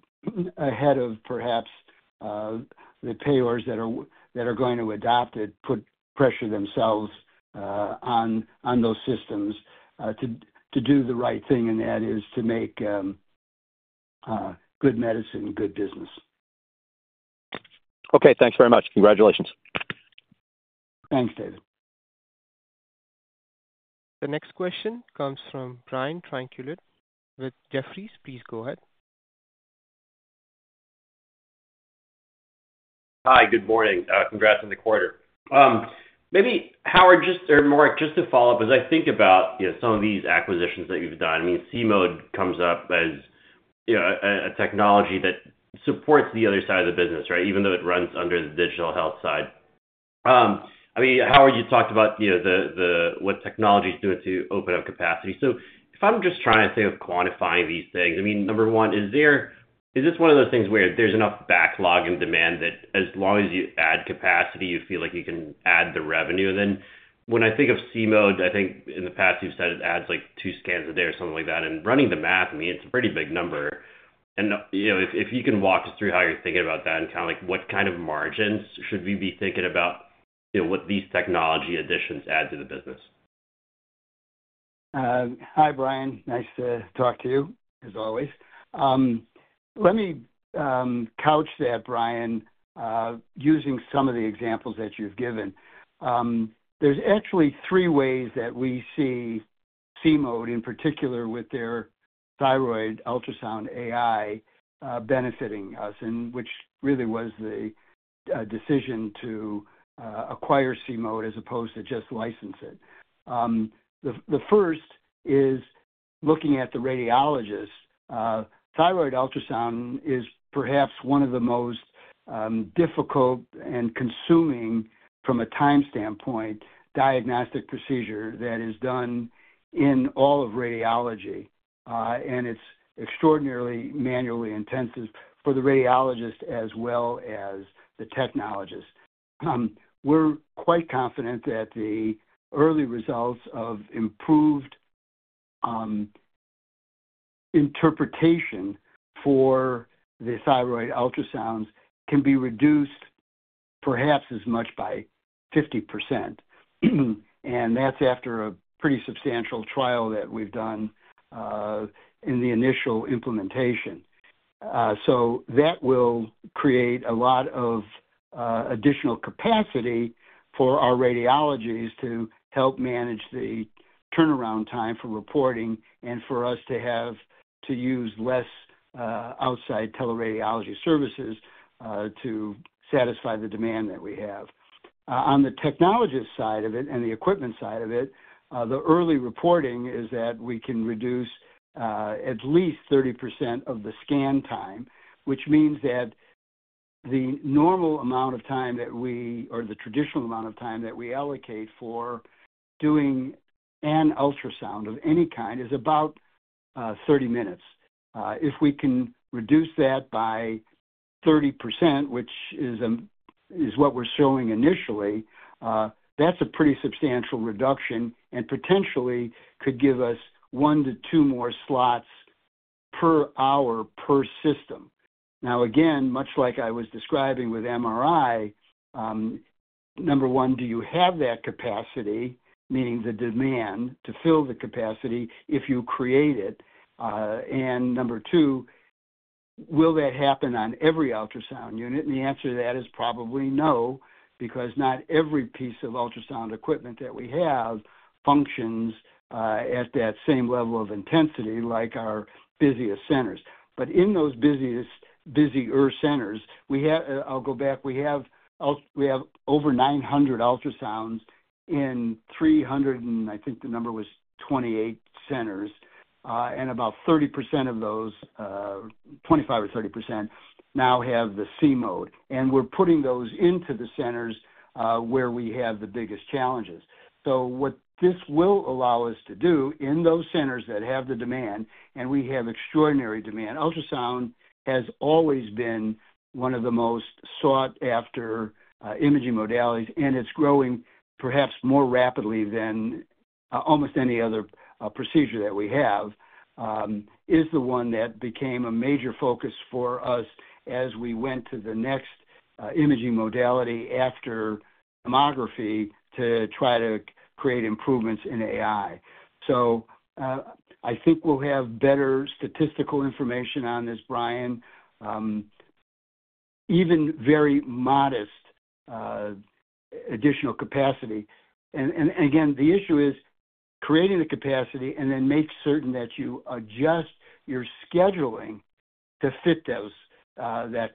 ahead of perhaps the payers that are going to adopt it, put pressure themselves on those systems to do the right thing, and that is to make good medicine good business. Okay, thanks very much. Congratulations. Thanks, David. The next question comes from Brian Tanquilut with Jefferies. Please go ahead. Hi, good morning. Congrats on the quarter. Maybe Howard or Mark, just to follow up as I think about some of these acquisitions that you've done. I mean, See-Mode comes up as, you know, a technology that supports the other side of the business, right? Even though it runs under the digital health side. Howard, you talked about, you know, what technology is doing to open up capacity. If I'm just trying to think of quantifying these things, number one, is this one of those things where there's enough backlog and demand that as long as you add capacity, you feel like you can add the revenue? When I think of See-Mode, I think in the past you've said it adds like two scans a day or something like that. Running the math, it's a pretty big number. If you can walk us through how you're thinking about that and kind of like what kind of margins should we be thinking about, you know, what these technology additions add to the business? Hi, Brian. Nice to talk to you, as always. Let me couch that, Brian, using some of the examples that you've given. There's actually three ways that we see See-Mode, in particular with their thyroid ultrasound AI, benefiting us, which really was the decision to acquire See-Mode as opposed to just license it. The first is looking at the radiologist. Thyroid ultrasound is perhaps one of the most difficult and consuming from a time standpoint diagnostic procedure that is done in all of radiology. It's extraordinarily manually intensive for the radiologist as well as the technologist. We're quite confident that the early results of improved interpretation for the thyroid ultrasounds can be reduced perhaps as much by 50%. That's after a pretty substantial trial that we've done in the initial implementation. That will create a lot of additional capacity for our radiologists to help manage the turnaround time for reporting and for us to have to use less outside teleradiology professional services to satisfy the demand that we have. On the technology side of it and the equipment side of it, the early reporting is that we can reduce at least 30% of the scan time, which means that the normal amount of time that we or the traditional amount of time that we allocate for doing an ultrasound of any kind is about 30 minutes. If we can reduce that by 30%, which is what we're showing initially, that's a pretty substantial reduction and potentially could give us one to two more slots per hour per system. Now, much like I was describing with MRI, number one, do you have that capacity, meaning the demand to fill the capacity if you create it? Number two, will that happen on every ultrasound unit? The answer to that is probably no, because not every piece of ultrasound equipment that we have functions at that same level of intensity like our busiest centers. In those busiest centers, we have, I'll go back, we have over 900 ultrasounds in 328 centers. About 30% of those, 25% or 30%, now have the See-Mode. We're putting those into the centers where we have the biggest challenges. What this will allow us to do in those centers that have the demand, and we have extraordinary demand, ultrasound has always been one of the most sought-after imaging modalities, and it's growing perhaps more rapidly than almost any other procedure that we have, is the one that became a major focus for us as we went to the next imaging modality after mammography to try to create improvements in AI. I think we'll have better statistical information on this, Brian, even very modest additional capacity. The issue is creating the capacity and then making certain that you adjust your scheduling to fit those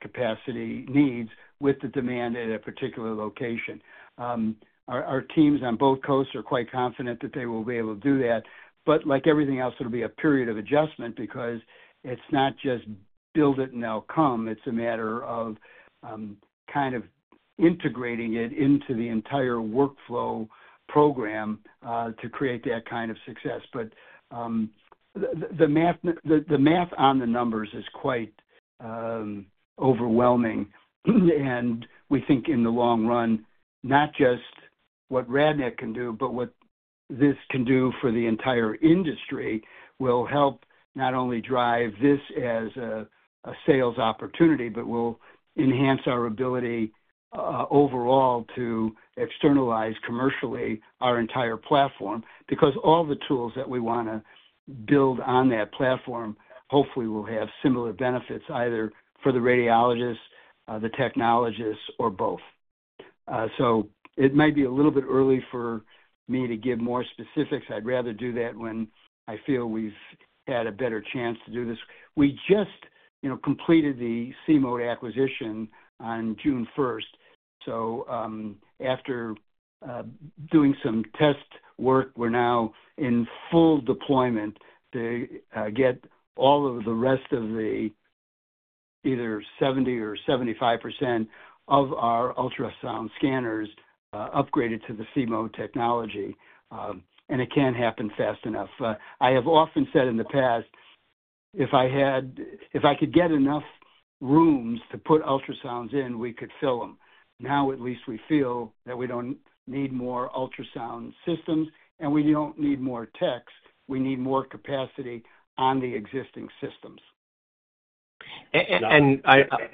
capacity needs with the demand at a particular location. Our teams on both coasts are quite confident that they will be able to do that. Like everything else, it'll be a period of adjustment because it's not just build it and they'll come. It's a matter of kind of integrating it into the entire workflow program to create that kind of success. The math on the numbers is quite overwhelming. We think in the long run, not just what RadNet can do, but what this can do for the entire industry will help not only drive this as a sales opportunity, but will enhance our ability overall to externalize commercially our entire platform because all the tools that we want to build on that platform hopefully will have similar benefits either for the radiologists, the technologists, or both. It might be a little bit early for me to give more specifics. I'd rather do that when I feel we've had a better chance to do this. We just completed the See-Mode acquisition on June 1st. After doing some test work, we're now in full deployment to get all of the rest of the either 70% or 75% of our ultrasound scanners upgraded to the See-Mode technology. It can't happen fast enough. I have often said in the past, if I could get enough rooms to put ultrasounds in, we could fill them. Now at least we feel that we don't need more ultrasound systems and we don't need more techs. We need more capacity on the existing systems.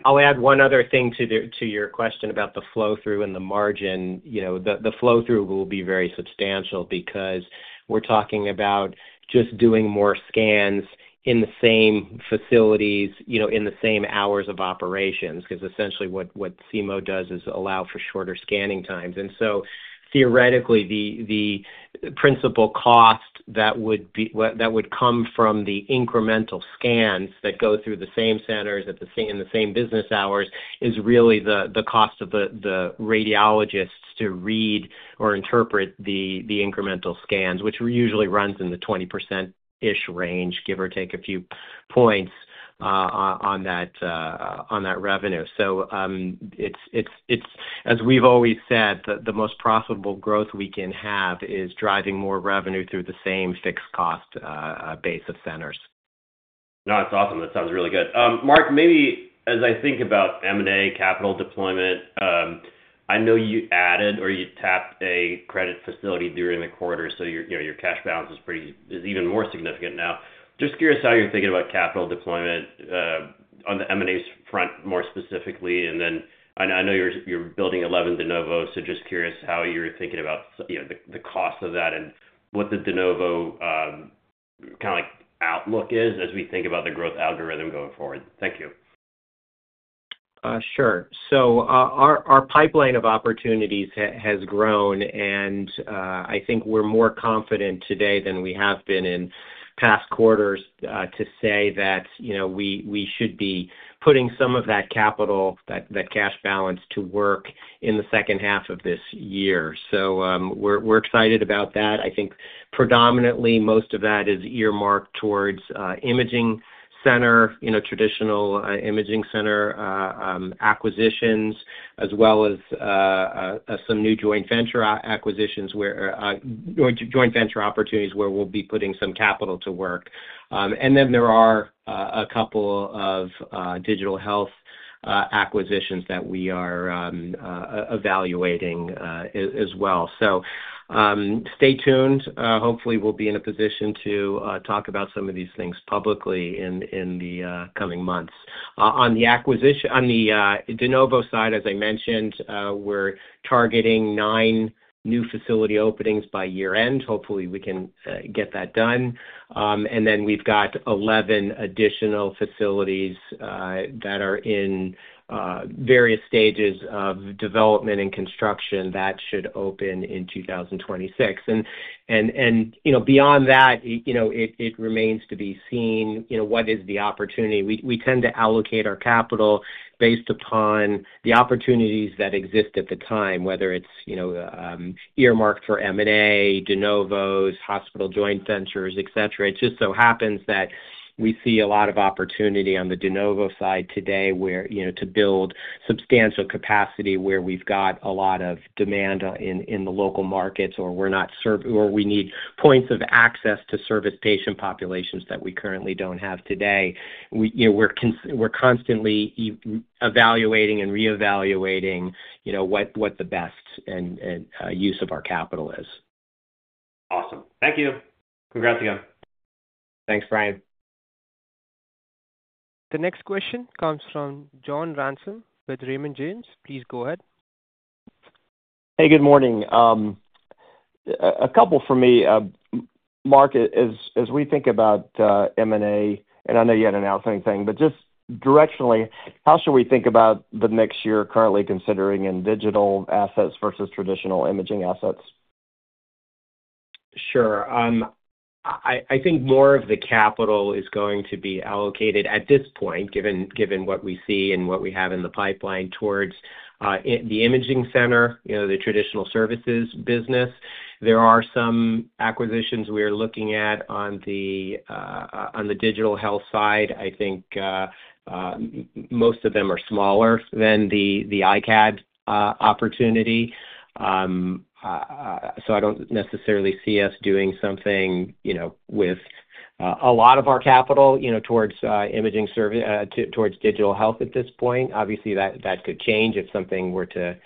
I'll add one other thing to your question about the flow-through and the margin. The flow-through will be very substantial because we're talking about just doing more scans in the same facilities, in the same hours of operations, because essentially what See-Mode does is allow for shorter scanning times. Theoretically, the principal cost that would come from the incremental scans that go through the same centers in the same business hours is really the cost of the radiologists to read or interpret the incremental scans, which usually runs in the 20% range, give or take a few points on that revenue. As we've always said, the most profitable growth we can have is driving more revenue through the same fixed cost base of centers. No, that's awesome. That sounds really good. Mark, maybe as I think about M&A capital deployment, I know you added or you tapped a credit facility during the quarter, so your cash balance is even more significant now. Just curious how you're thinking about capital deployment on the M&A front more specifically. I know you're building 11 de novo, so just curious how you're thinking about the cost of that and what the de novo kind of like outlook is as we think about the growth algorithm going forward. Thank you. Sure. Our pipeline of opportunities has grown, and I think we're more confident today than we have been in past quarters to say that we should be putting some of that capital, that cash balance to work in the second half of this year. We're excited about that. I think predominantly most of that is earmarked towards imaging center, traditional imaging center acquisitions, as well as some new joint venture acquisitions where joint venture opportunities where we'll be putting some capital to work. There are a couple of digital health acquisitions that we are evaluating as well. Stay tuned. Hopefully, we'll be in a position to talk about some of these things publicly in the coming months. On the de novo side, as I mentioned, we're targeting nine new facility openings by year-end. Hopefully, we can get that done. We've got 11 additional facilities that are in various stages of development and construction that should open in 2026. Beyond that, it remains to be seen what is the opportunity. We tend to allocate our capital based upon the opportunities that exist at the time, whether it's earmarked for M&A, de novos, hospital joint ventures, etc. It just so happens that we see a lot of opportunity on the de novo side today to build substantial capacity where we've got a lot of demand in the local markets or we're not serving or we need points of access to service patient populations that we currently don't have today. We're constantly evaluating and reevaluating what the best use of our capital is. Awesome. Thank you. Congrats again. Thanks, Brian. The next question comes from John Ransom with Raymond James. Please go ahead. Hey, good morning. A couple for me. Mark, as we think about M&A, and I know you had an outstanding thing, but just directionally, how should we think about the mixture currently considering in digital assets versus traditional imaging assets? Sure. I think more of the capital is going to be allocated at this point, given what we see and what we have in the pipeline towards the imaging center, the traditional services business. There are some acquisitions we are looking at on the digital health side. I think most of them are smaller than the iCAD opportunity. I don't necessarily see us doing something with a lot of our capital towards imaging services, towards digital health at this point. Obviously, that could change if something were to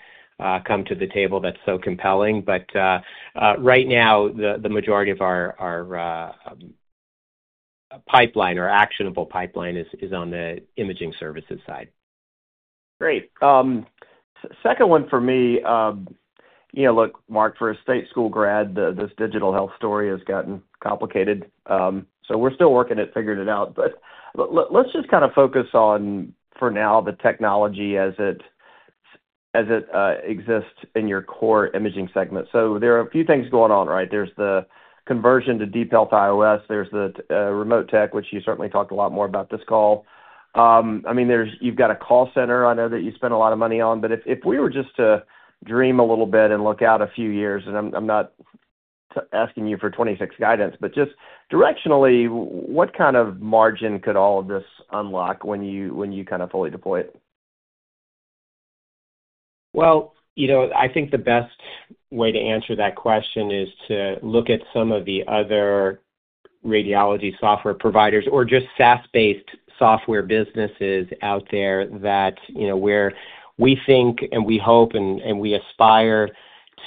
come to the table that's so compelling. Right now, the majority of our pipeline or actionable pipeline is on the imaging services side. Great. Second one for me, you know, look, Mark, for a state school grad, this digital health story has gotten complicated. We're still working at figuring it out. Let's just kind of focus on, for now, the technology as it exists in your core imaging segment. There are a few things going on, right? There's the conversion to DeepHealth OS. There's the remote tech, which you certainly talked a lot more about this call. I mean, you've got a call center I know that you spent a lot of money on. If we were just to dream a little bit and look out a few years, and I'm not asking you for 2026 guidance, just directionally, what kind of margin could all of this unlock when you kind of fully deploy it? I think the best way to answer that question is to look at some of the other radiology software providers or just SaaS-based software businesses out there that, you know, where we think and we hope and we aspire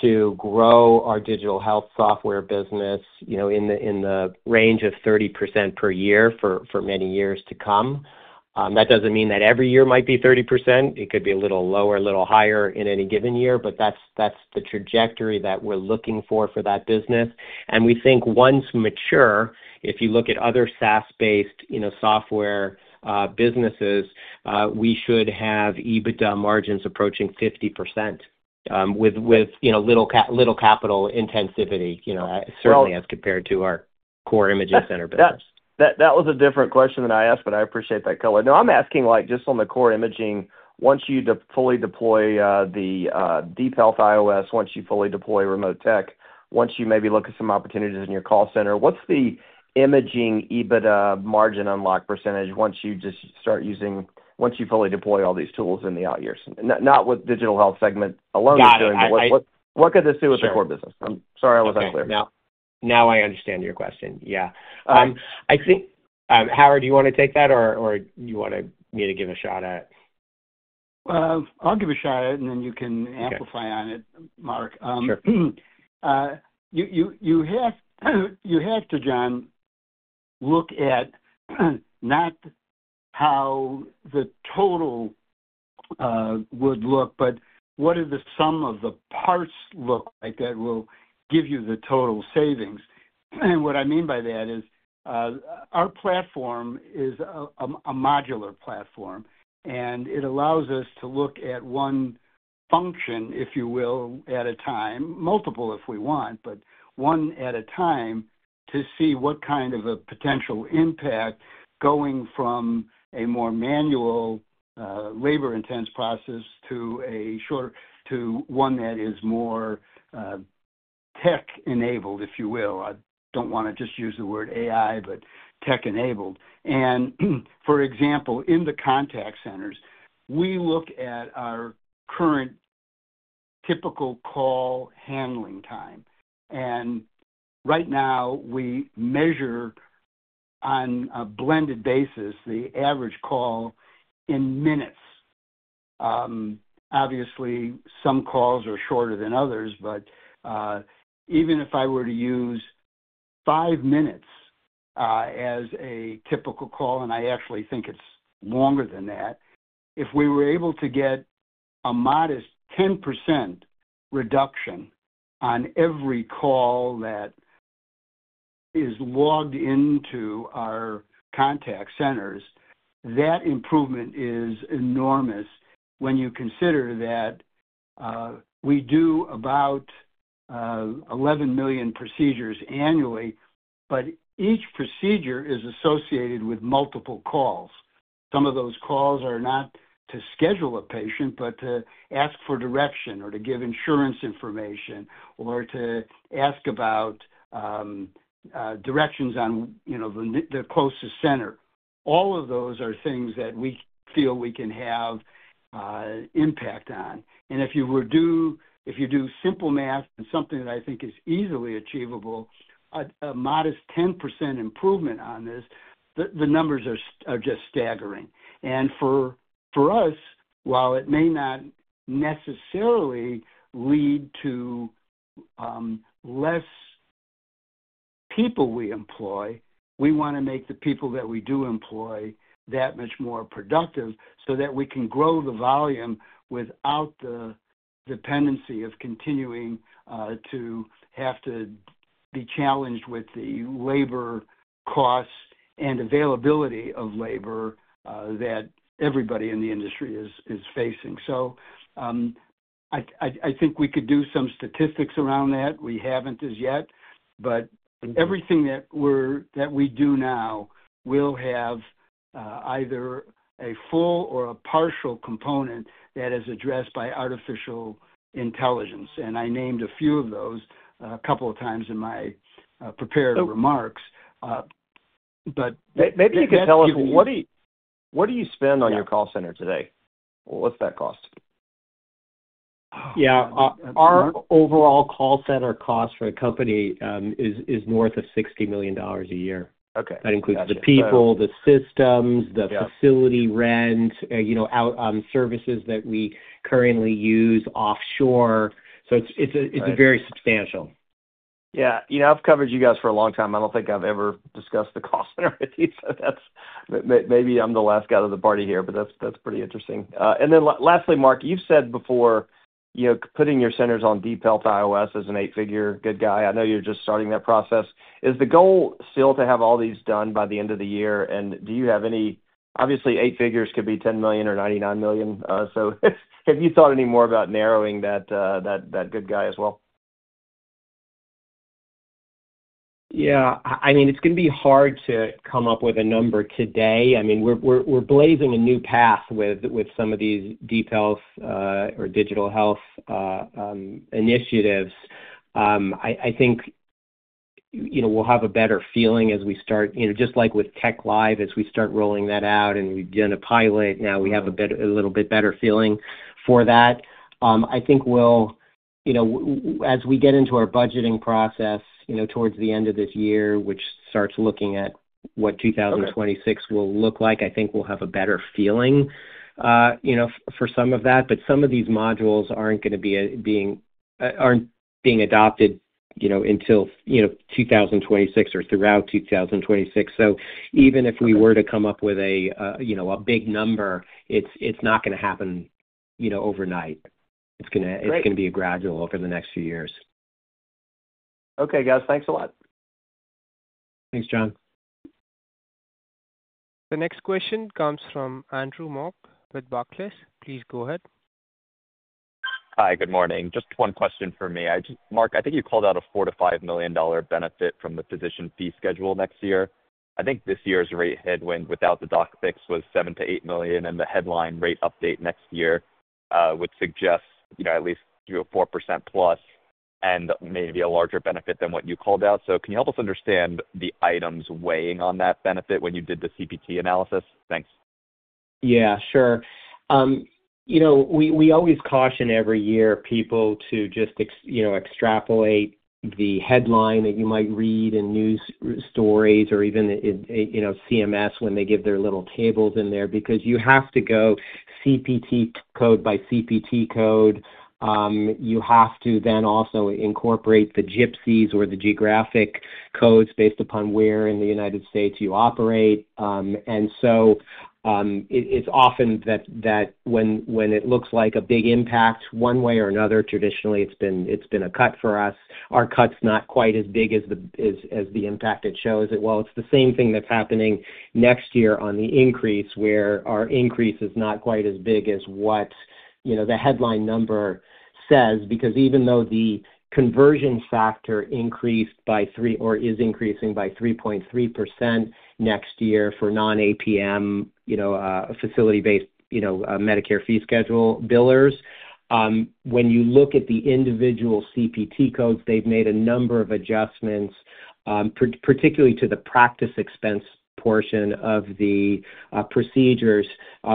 to grow our digital health software business, you know, in the range of 30% per year for many years to come. That doesn't mean that every year might be 30%. It could be a little lower, a little higher in any given year, but that's the trajectory that we're looking for for that business. We think once mature, if you look at other SaaS-based, you know, software businesses, we should have EBITDA margins approaching 50% with, you know, little capital intensivity, you know, certainly as compared to our core imaging center business. That was a different question than I asked, but I appreciate that color. No, I'm asking just on the core imaging, once you fully deploy the DeepHealth OS, once you fully deploy remote tech, once you maybe look at some opportunities in your call center, what's the imaging EBITDA margin unlock percentage once you just start using, once you fully deploy all these tools in the out years? Not what the digital health segment alone is doing, but what could this do with the core business? Sorry, I was unclear. Now I understand your question. Yeah. I think, Howard, do you want to take that or do you want me to give a shot at it? I'll give a shot at it, and then you can amplify on it, Mark. Sure. You have to, John, look at not how the total would look, but what do the sum of the parts look like that will give you the total savings? What I mean by that is our platform is a modular platform, and it allows us to look at one function, if you will, at a time, multiple if we want, but one at a time to see what kind of a potential impact going from a more manual, labor-intense process to a shorter to one that is more tech-enabled, if you will. I don't want to just use the word AI, but tech-enabled. For example, in the contact centers, we look at our current typical call handling time. Right now, we measure on a blended basis the average call in minutes. Obviously, some calls are shorter than others, but even if I were to use five minutes as a typical call, and I actually think it's longer than that, if we were able to get a modest 10% reduction on every call that is logged into our contact centers, that improvement is enormous when you consider that we do about 11 million procedures annually, but each procedure is associated with multiple calls. Some of those calls are not to schedule a patient, but to ask for direction or to give insurance information or to ask about directions on, you know, the closest center. All of those are things that we feel we can have impact on. If you do simple math and something that I think is easily achievable, a modest 10% improvement on this, the numbers are just staggering. For us, while it may not necessarily lead to less people we employ, we want to make the people that we do employ that much more productive so that we can grow the volume without the dependency of continuing to have to be challenged with the labor costs and availability of labor that everybody in the industry is facing. I think we could do some statistics around that. We haven't as yet, but everything that we do now will have either a full or a partial component that is addressed by artificial intelligence. I named a few of those a couple of times in my prepared remarks. Maybe you can tell us what do you spend on your call center today? What's that cost? Our overall call center cost for a company is north of $60 million a year. That includes the people, the systems, the facility rent, you know, out on services that we currently use offshore. It's very substantial. Yeah. You know, I've covered you guys for a long time. I don't think I've ever discussed the cost center with you. That's pretty interesting. Lastly, Mark, you've said before, you know, putting your centers on DeepHealth OS as an eight-figure good guy. I know you're just starting that process. Is the goal still to have all these done by the end of the year? Do you have any, obviously, eight figures could be $10 million or $99 million. Have you thought any more about narrowing that good guy as well? Yeah. I mean, it's going to be hard to come up with a number today. I mean, we're blazing a new path with some of these DeepHealth or digital health initiatives. I think we'll have a better feeling as we start, just like with TechLive, as we start rolling that out and we've done a pilot. Now we have a little bit better feeling for that. I think as we get into our budgeting process towards the end of this year, which starts looking at what 2026 will look like, I think we'll have a better feeling for some of that. Some of these modules aren't going to be being adopted until 2026 or throughout 2026. Even if we were to come up with a big number, it's not going to happen overnight. It's going to be gradual over the next few years. Okay, guys, thanks a lot. Thanks, John. The next question comes from Andrew Mok with Barclays. Please go ahead. Hi, good morning. Just one question for me. Mark, I think you called out a $4 million-$5 million benefit from the physician fee schedule next year. I think this year's rate headwind without the doc fix was $7 million-$8 million, and the headline rate update next year would suggest at least a 4%+ and maybe a larger benefit than what you called out. Can you help us understand the items weighing on that benefit when you did the CPT analysis? Thanks. Yeah, sure. You know, we always caution every year people to just, you know, extrapolate the headline that you might read in news stories or even in. CMS, when they give their little tables in there, because you have to go CPT code by CPT code, you have to then also incorporate the GPCIs or the geographic codes based upon where in the United States you operate. It's often that when it looks like a big impact one way or another, traditionally it's been a cut for us. Our cut's not quite as big as the impact it shows it. It's the same thing that's happening next year on the increase, where our increase is not quite as big as what the headline number says, because even though the conversion factor increased by 3.3% next year for non-APM, facility-based, Medicare fee schedule billers, when you look at the individual CPT codes, they've made a number of adjustments, particularly to the practice expense portion of the procedures,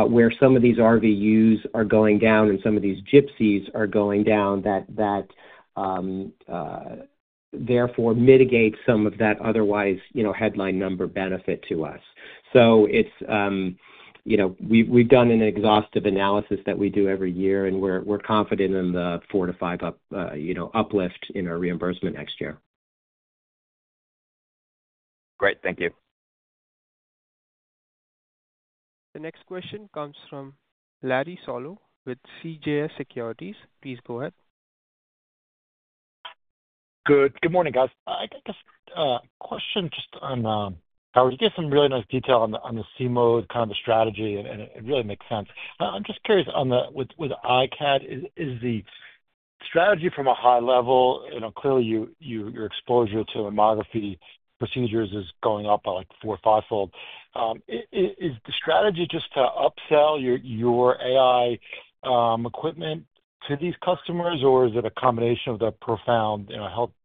where some of these RVUs are going down and some of these GPCIs are going down. That therefore mitigates some of that otherwise headline number benefit to us. We've done an exhaustive analysis that we do every year, and we're confident in the 4% to 5% up, uplift in our reimbursement next year. Great. Thank you. The next question comes from Larry Solow with CJS Securities. Please go ahead. Good morning, guys. I got a question just on how you gave some really nice detail on the See-Mode kind of a strategy, and it really makes sense. I'm just curious on the with iCAD, is the strategy from a high level, you know, clearly your exposure to mammography procedures is going up by like four or five-fold. Is the strategy just to upsell your AI equipment to these customers, or is it a combination of the Profound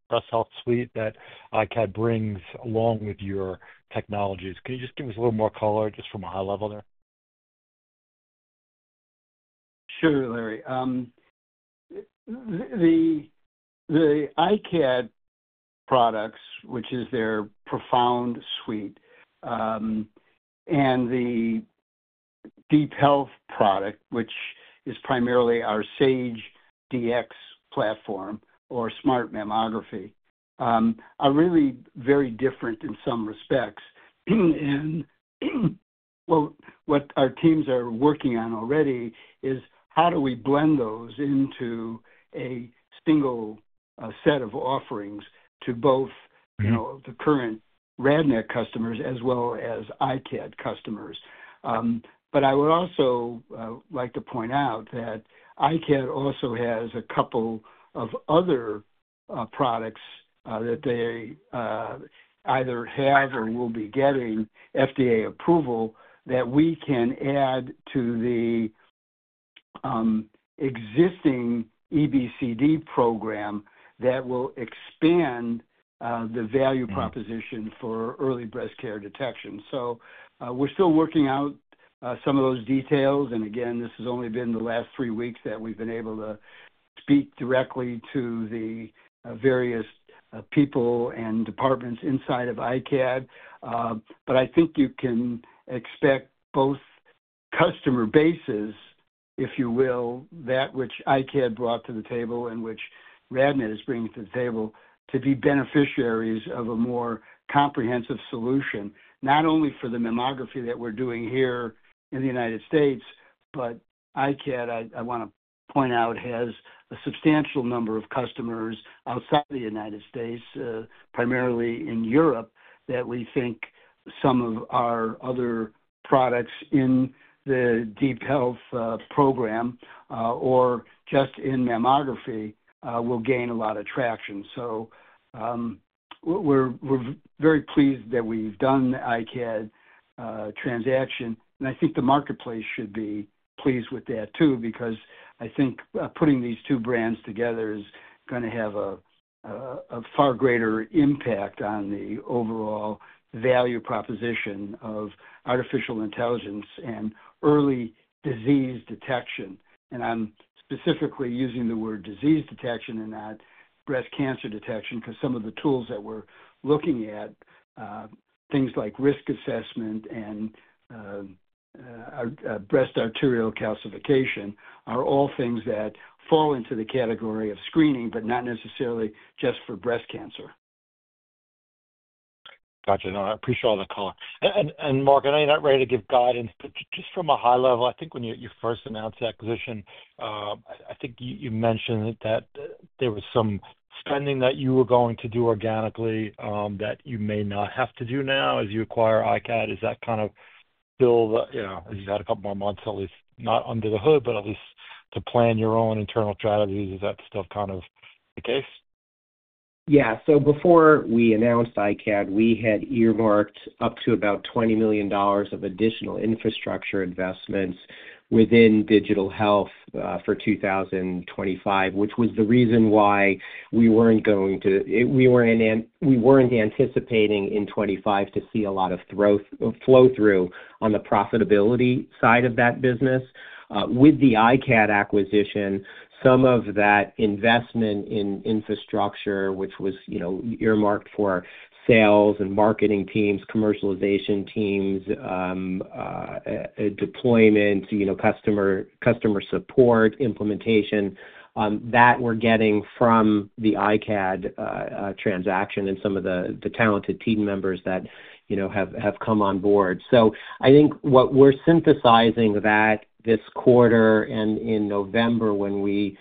Breast Health Suite that iCAD brings along with your technologies? Can you just give us a little more color just from a high level there? Sure, Larry. The iCAD products, which is their Profound Suite, and the DeepHealth product, which is primarily our SAGE DX platform or smart mammography, are really very different in some respects. What our teams are working on already is how do we blend those into a single set of offerings to both, you know, the current RadNet customers as well as iCAD customers? I would also like to point out that iCAD also has a couple of other products that they either have or will be getting FDA approval that we can add to the existing EBCD program that will expand the value proposition for early breast care detection. We're still working out some of those details. This has only been the last three weeks that we've been able to speak directly to the various people and departments inside of iCAD. I think you can expect both customer bases, if you will, that which iCAD brought to the table and which RadNet is bringing to the table to be beneficiaries of a more comprehensive solution, not only for the mammography that we're doing here in the United States, but iCAD, I want to point out, has a substantial number of customers outside the United States, primarily in Europe, that we think some of our other products in the DeepHealth program, or just in mammography, will gain a lot of traction. We're very pleased that we've done the iCAD transaction. I think the marketplace should be pleased with that too, because I think putting these two brands together is going to have a far greater impact on the overall value proposition of artificial intelligence and early disease detection. I'm specifically using the word disease detection and not breast cancer detection because some of the tools that we're looking at, things like risk assessment and breast arterial calcification, are all things that fall into the category of screening, but not necessarily just for breast cancer. Gotcha. No, I appreciate all the call. Mark, I know you're not ready to give guidance, but just from a high level, I think when you first announced the acquisition, I think you mentioned that there was some spending that you were going to do organically that you may not have to do now as you acquire iCAD. Is that kind of still the, you know, as you had a couple more months, at least not under the hood, but at least to plan your own internal strategies? Is that still kind of the case? Yeah. Before we announced iCAD, we had earmarked up to about $20 million of additional infrastructure investments within digital health for 2025, which was the reason why we weren't going to, we weren't anticipating in 2025 to see a lot of flow through on the profitability side of that business. With the iCAD acquisition, some of that investment in infrastructure, which was earmarked for sales and marketing teams, commercialization teams, deployment, customer support, implementation, that we're getting from the iCAD transaction and some of the talented team members that have come on board. I think what we're synthesizing that this quarter and in November when we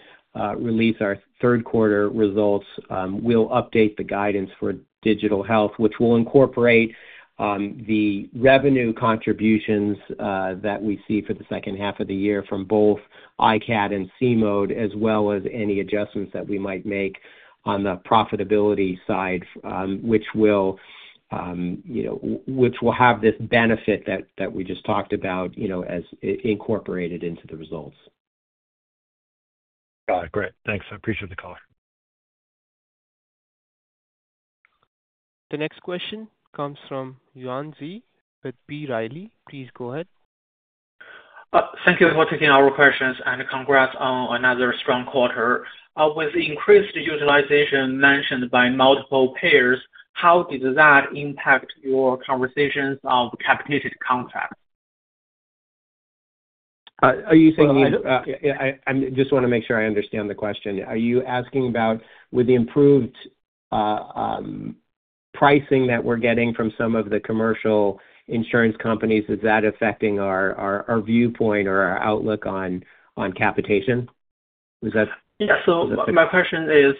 release our third quarter results, we'll update the guidance for digital health, which will incorporate the revenue contributions that we see for the second half of the year from both iCAD and See-Mode, as well as any adjustments that we might make on the profitability side, which will have this benefit that we just talked about as incorporated into the results. Got it. Great, thanks. I appreciate the call. The next question comes from Yuan Zi with B. Riley. Please go ahead. Thank you for taking our questions and congrats on another strong quarter. With the increased utilization mentioned by multiple payers, how did that impact your conversations of capitated contracts? Are you saying, yeah, I just want to make sure I understand the question. Are you asking about, with the improved pricing that we're getting from some of the commercial insurance companies, is that affecting our viewpoint or our outlook on capitation? Was that? My question is,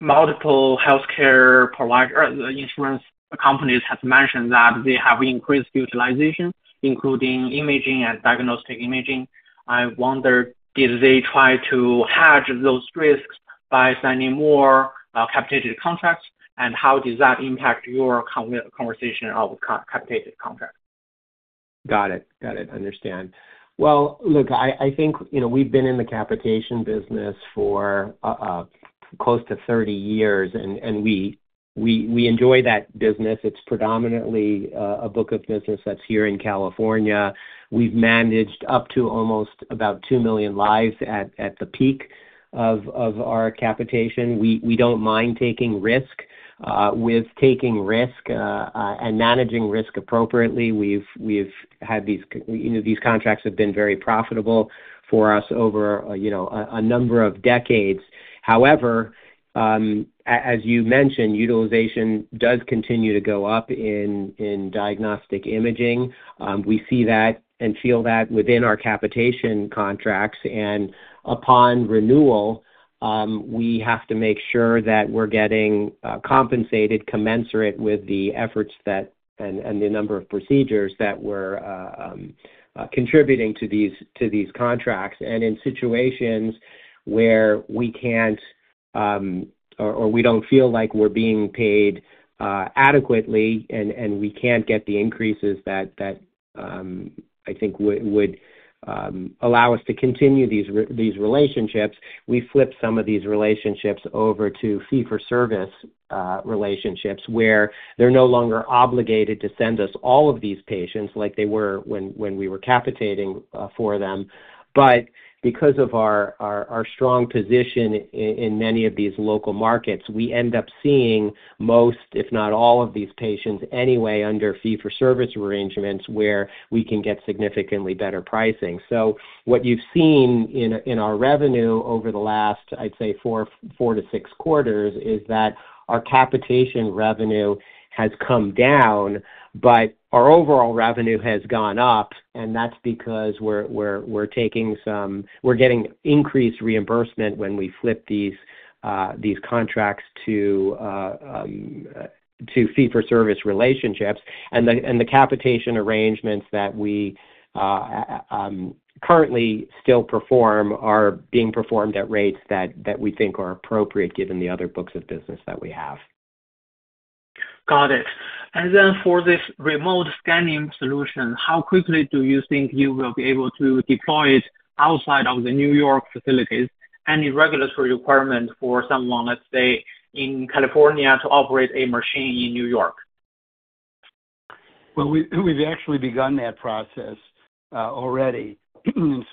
the multiple healthcare providers or the insurance companies have mentioned that they have increased utilization, including imaging and diagnostic imaging. I wonder, did they try to hedge those risks by signing more capitated contracts, and how does that impact your conversation of capitated contracts? I understand. I think, you know, we've been in the capitation business for close to 30 years, and we enjoy that business. It's predominantly a book of business that's here in California. We've managed up to almost about 2 million lives at the peak of our capitation. We don't mind taking risk. With taking risk, and managing risk appropriately, we've had these contracts that have been very profitable for us over a number of decades. However, as you mentioned, utilization does continue to go up in diagnostic imaging. We see that and feel that within our capitation contracts. Upon renewal, we have to make sure that we're getting compensated commensurate with the efforts and the number of procedures that we're contributing to these contracts. In situations where we can't, or we don't feel like we're being paid adequately, and we can't get the increases that, I think, would allow us to continue these relationships, we flip some of these relationships over to fee-for-service relationships where they're no longer obligated to send us all of these patients like they were when we were capitating for them. Because of our strong position in many of these local markets, we end up seeing most, if not all, of these patients anyway under fee-for-service arrangements where we can get significantly better pricing. What you've seen in our revenue over the last, I'd say, four to six quarters is that our capitation revenue has come down, but our overall revenue has gone up. That's because we're getting increased reimbursement when we flip these contracts to fee-for-service relationships. The capitation arrangements that we currently still perform are being performed at rates that we think are appropriate given the other books of business that we have. Got it. For this remote scanning solution, how quickly do you think you will be able to deploy it outside of the New York facilities? Any regulatory requirement for someone, let's say, in California to operate a machine in New York? We've actually begun that process already. We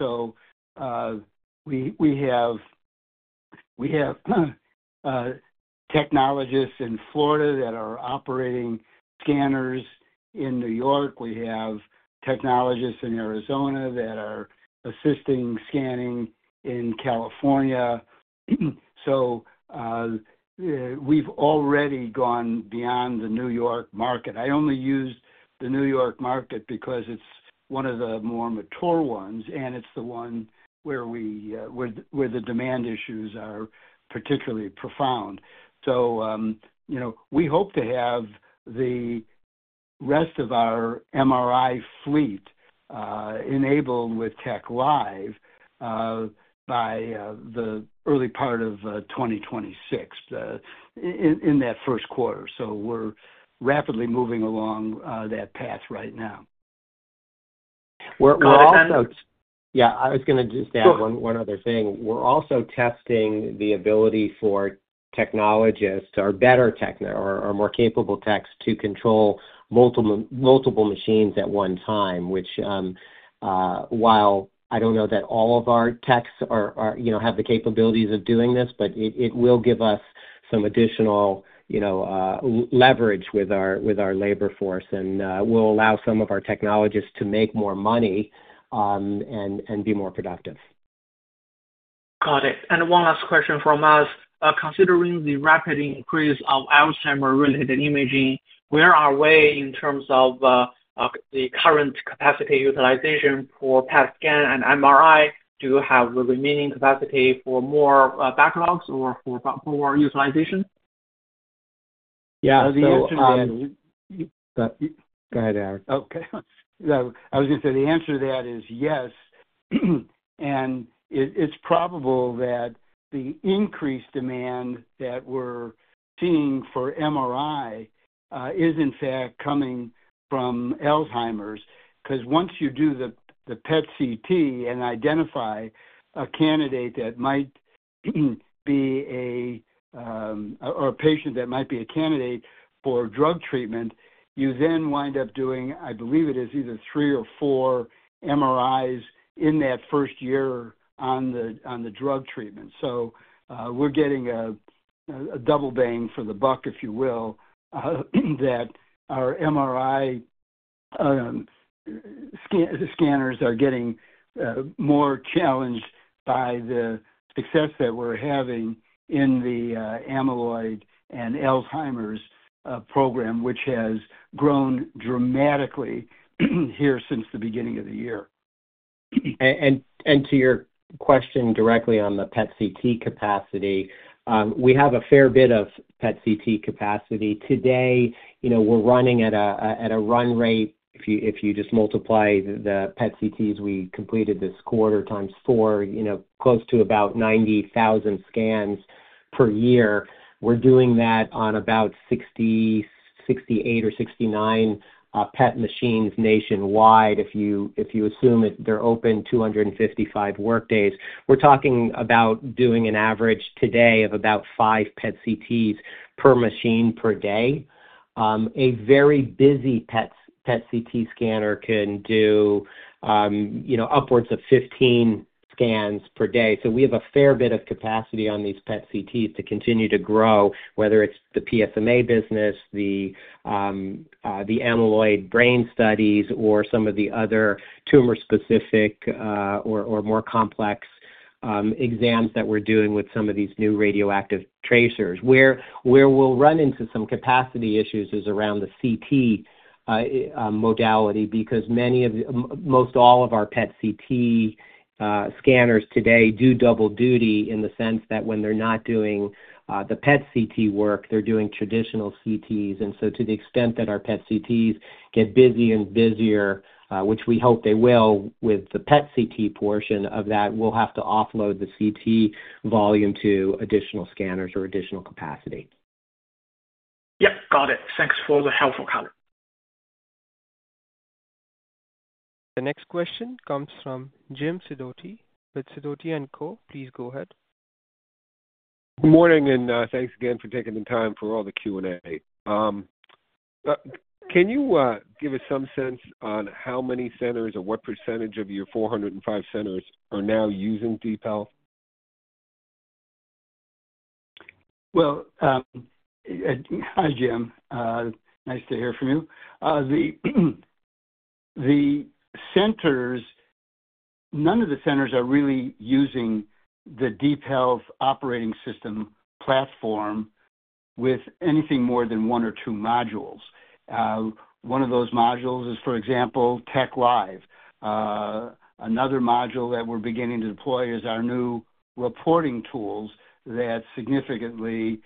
have technologists in Florida that are operating scanners in New York. We have technologists in Arizona that are assisting scanning in California. We've already gone beyond the New York market. I only use the New York market because it's one of the more mature ones, and it's the one where the demand issues are particularly profound. We hope to have the rest of our MRI fleet enabled with TechLive by the early part of 2026, in that first quarter. We're rapidly moving along that path right now. We're also. Yeah. Yeah. I was going to just add one other thing. We're also testing the ability for technologists or better tech or more capable techs to control multiple machines at one time, which, while I don't know that all of our techs are, you know, have the capabilities of doing this, it will give us some additional leverage with our labor force and will allow some of our technologists to make more money and be more productive. Got it. One last question from us. Considering the rapid increase of Alzheimer-related imaging, where are we in terms of the current capacity utilization for PET scan and MRI? Do you have the remaining capacity for more backlogs or for more utilization? Yeah, the answer to the. Go ahead, Howard. Okay. I was going to say the answer to that is yes. It's probable that the increased demand that we're seeing for MRI is in fact coming from Alzheimer's because once you do the PET/CT and identify a candidate that might be a, or a patient that might be a candidate for drug treatment, you then wind up doing, I believe it is either three or four MRIs in that first year on the drug treatment. We're getting a double bang for the buck, if you will, that our MRI scanners are getting more challenged by the success that we're having in the amyloid and Alzheimer's program, which has grown dramatically here since the beginning of the year. To your question directly on the PET/CT capacity, we have a fair bit of PET/CT capacity. Today, you know, we're running at a run rate, if you just multiply the PET/CTs we completed this quarter times four, you know, close to about 90,000 scans per year. We're doing that on about 60, 68 or 69 PET machines nationwide. If you assume that they're open 255 workdays, we're talking about doing an average today of about five PET/CTs per machine per day. A very busy PET/CT scanner can do upwards of 15 scans per day. We have a fair bit of capacity on these PET/CTs to continue to grow, whether it's the PFMA business, the amyloid brain studies, or some of the other tumor-specific or more complex exams that we're doing with some of these new radioactive tracers. Where we'll run into some capacity issues is around the CT modality because most all of our PET/CT scanners today do double duty in the sense that when they're not doing the PET/CT work, they're doing traditional CTs. To the extent that our PET/CTs get busier and busier, which we hope they will with the PET/CT portion of that, we'll have to offload the CT volume to additional scanners or additional capacity. Got it. Thanks for the helpful comment. The next question comes from Jim Sadotti with Sadotti & Co. Please go ahead. Good morning, and thanks again for taking the time for all the Q&A. Can you give us some sense on how many centers or what percentage of your 405 centers are now using DeepHealth? Hi, Jim. Nice to hear from you. None of the centers are really using the DeepHealth Operating System platform with anything more than one or two modules. One of those modules is, for example, TechLive. Another module that we're beginning to deploy is our new reporting tools that significantly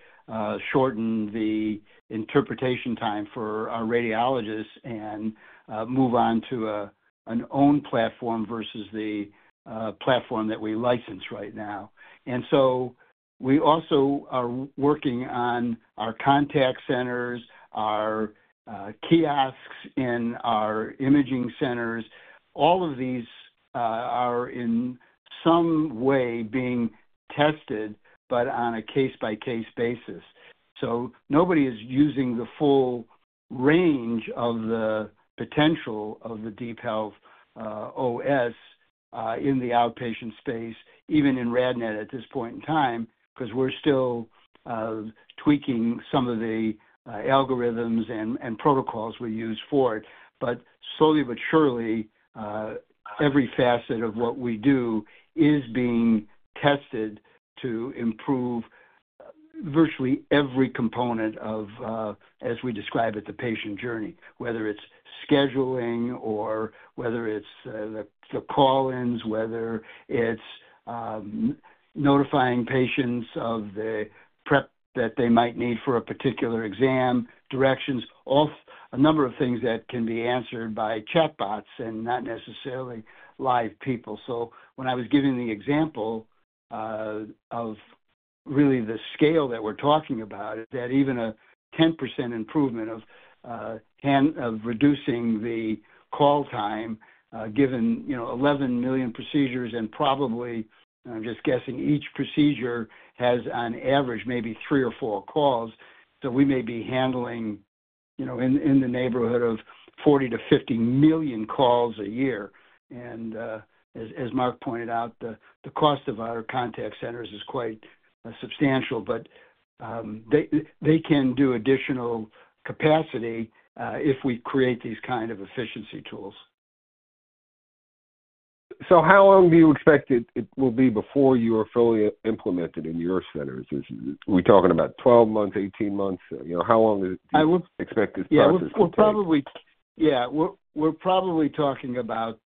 shorten the interpretation time for our radiologists and move on to an owned platform versus the platform that we license right now. We also are working on our contact centers, our kiosks in our imaging centers. All of these are in some way being tested, but on a case-by-case basis. Nobody is using the full range of the potential of the DeepHealth OS in the outpatient space, even in RadNet at this point in time, because we're still tweaking some of the algorithms and protocols we use for it. Slowly but surely, every facet of what we do is being tested to improve virtually every component of, as we describe it, the patient journey, whether it's scheduling or whether it's the call-ins, whether it's notifying patients of the prep that they might need for a particular exam, directions, all a number of things that can be answered by chatbots and not necessarily live people. When I was giving the example of really the scale that we're talking about, that even a 10% improvement of reducing the call time, given, you know, 11 million procedures and probably, I'm just guessing, each procedure has on average maybe three or four calls. We may be handling, you know, in the neighborhood of 40 million-50 million calls a year. As Mark pointed out, the cost of our contact centers is quite substantial, but they can do additional capacity if we create these kinds of efficiency tools. How long do you expect it will be before you are fully implemented in your centers? Are we talking about 12 months, 18 months? How long do you expect this process to take place? Yeah. We're probably talking about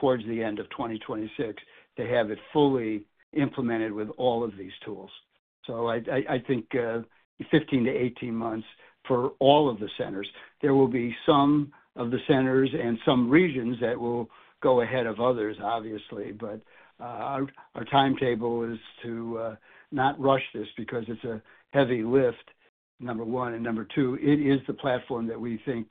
towards the end of 2026 to have it fully implemented with all of these tools. I think 15 months-18 months for all of the centers. There will be some of the centers and some regions that will go ahead of others, obviously. Our timetable is to not rush this because it's a heavy lift, number one. Number two, it is the platform that we think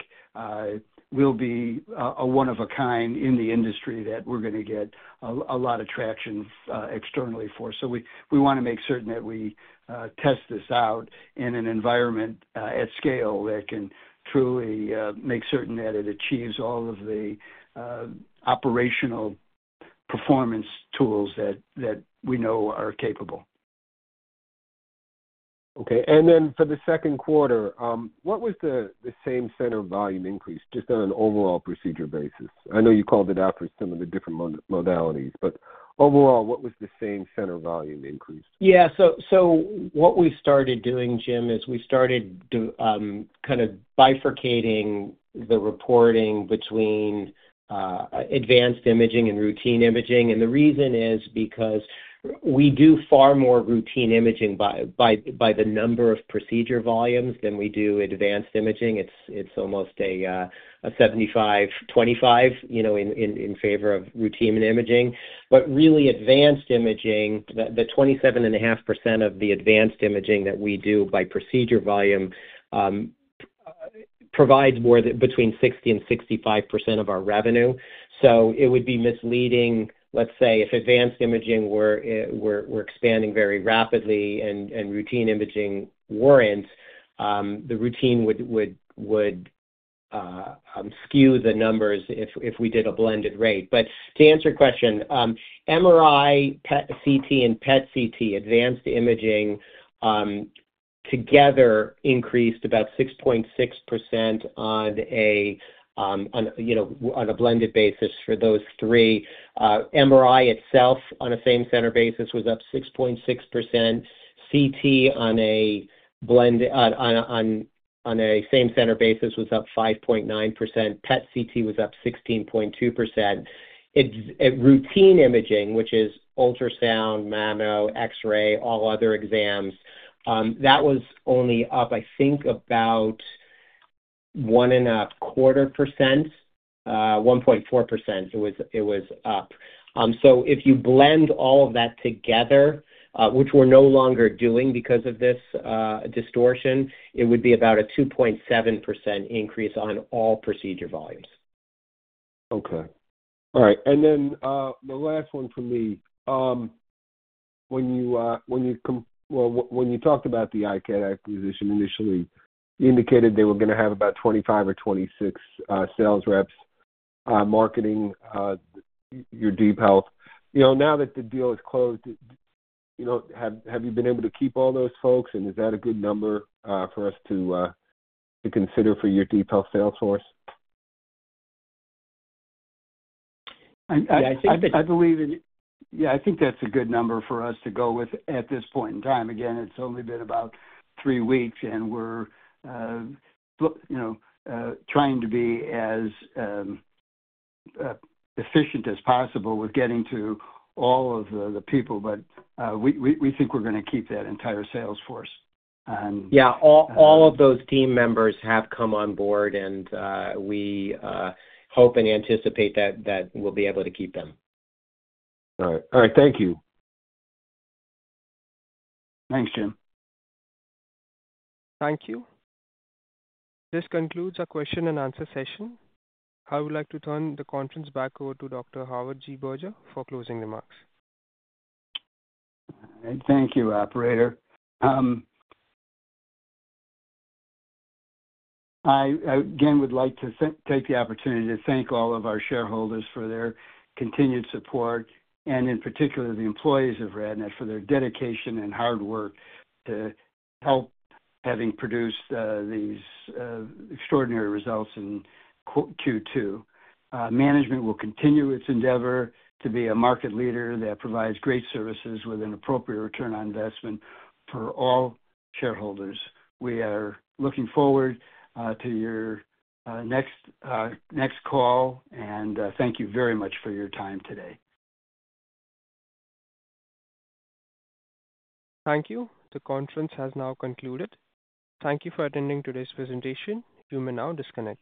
will be a one-of-a-kind in the industry that we're going to get a lot of traction externally for. We want to make certain that we test this out in an environment at scale that can truly make certain that it achieves all of the operational performance tools that we know are capable. Okay. For the second quarter, what was the same center volume increase, just on an overall procedure basis? I know you called it out for some of the different modalities, but overall, what was the same center volume increase? Yeah. What we started doing, Jim, is we started kind of bifurcating the reporting between advanced imaging and routine imaging. The reason is because we do far more routine imaging by the number of procedure volumes than we do advanced imaging. It's almost a 75%-25% in favor of routine imaging. Really, advanced imaging, the 27.5% of the advanced imaging that we do by procedure volume provides more than between 60% and 65% of our revenue. It would be misleading, let's say, if advanced imaging were expanding very rapidly and routine imaging weren't, the routine would skew the numbers if we did a blended rate. To answer your question, MRI, CT, and PET/CT advanced imaging together increased about 6.6% on a blended basis for those three. MRI itself on a same-center basis was up 6.6%. CT on a same-center basis was up 5.9%. PET/CT was up 16.2%. Routine imaging, which is ultrasound, mammo, X-ray, all other exams, that was only up, I think, about one and a quarter percent. 1.4% it was up. If you blend all of that together, which we're no longer doing because of this distortion, it would be about a 2.7% increase on all procedure volumes. All right. The last one from me. When you talked about the iCAD acquisition initially, you indicated they were going to have about 25 or 26 sales reps marketing your DeepHealth. Now that the deal is closed, have you been able to keep all those folks, and is that a good number for us to consider for your DeepHealth sales force? I think that's a good number for us to go with at this point in time. It's only been about three weeks, and we're trying to be as efficient as possible with getting to all of the people. We think we're going to keep that entire sales force. Yeah, all of those team members have come on board, and we hope and anticipate that we'll be able to keep them. All right. Thank you. Thanks, Jim. Thank you. This concludes our question and answer session. I would like to turn the conference back over to Dr. Howard Berger for closing remarks. All right. Thank you, operator. I again would like to take the opportunity to thank all of our shareholders for their continued support, and in particular, the employees of RadNet for their dedication and hard work to help, having produced these extraordinary results in Q2. Management will continue its endeavor to be a market leader that provides great services with an appropriate return on investment for all shareholders. We are looking forward to your next call, and thank you very much for your time today. Thank you. The conference has now concluded. Thank you for attending today's presentation. You may now disconnect.